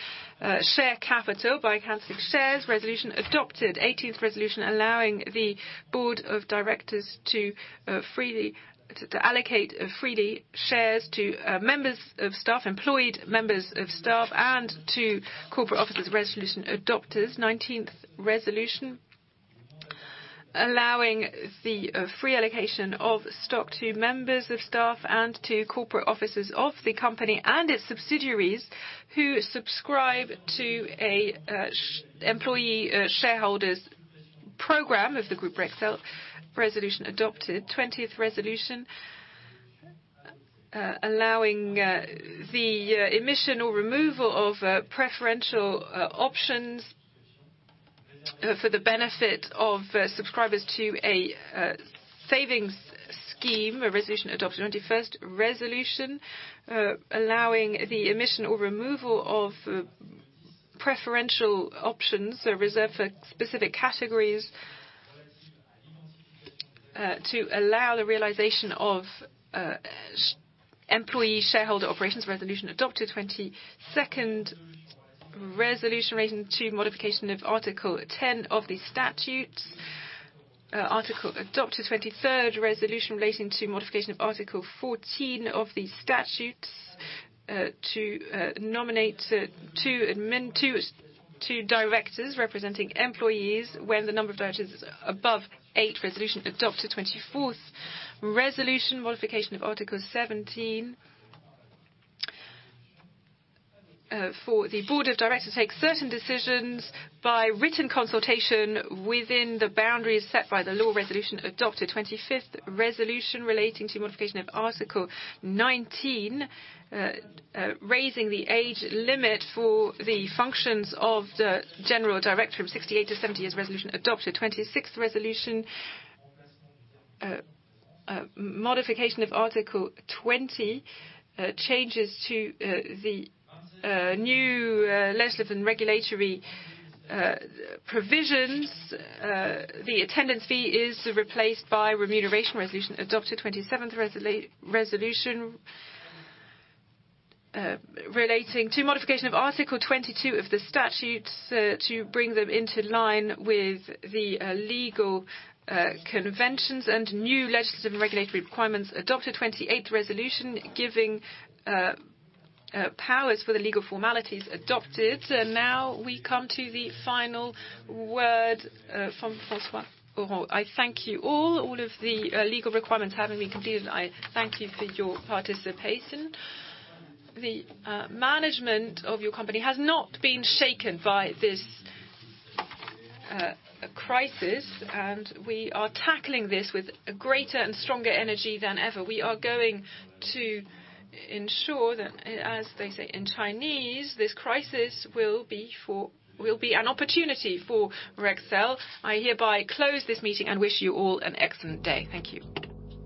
Speaker 4: share capital by canceling shares. Resolution adopted. 18th resolution allowing the Board of Directors to allocate freely shares to members of staff, employed members of staff, and to corporate officers. Resolution adopted. 19th resolution, allowing the free allocation of stock to members of staff and to corporate officers of the company and its subsidiaries who subscribe to an employee shareholders program of the Group Rexel. Resolution adopted. 20th resolution, allowing the emission or removal of preferential options for the benefit of subscribers to a savings scheme, a resolution adopted. 21st resolution, allowing the emission or removal of preferential options that are reserved for specific categories to allow the realization of employee shareholder operations. Resolution adopted. 22nd resolution relating to modification of Article 10 of the statutes. Article adopted. 23rd resolution relating to modification of Article 14 of the statutes to nominate two directors representing employees when the number of directors is above eight. Resolution adopted. 24th resolution, modification of Article 17. For the board of directors to take certain decisions by written consultation within the boundaries set by the law. Resolution adopted. 25th resolution relating to modification of Article 19, raising the age limit for the functions of the general director from 68 to 70 years. Resolution adopted. 26th resolution, modification of Article 20, changes to the new legislative and regulatory provisions. The attendance fee is replaced by remuneration. Resolution adopted. 27th resolution, relating to modification of Article 22 of the statutes to bring them into line with the legal conventions and new legislative and regulatory requirements. Adopted. 28th resolution, giving powers for the legal formalities adopted. We come to the final word from François.
Speaker 1: I thank you all. All of the legal requirements having been completed, I thank you for your participation. The management of your company has not been shaken by this crisis, and we are tackling this with greater and stronger energy than ever. We are going to ensure that, as they say in Chinese, this crisis will be an opportunity for Rexel. I hereby close this meeting and wish you all an excellent day. Thank you.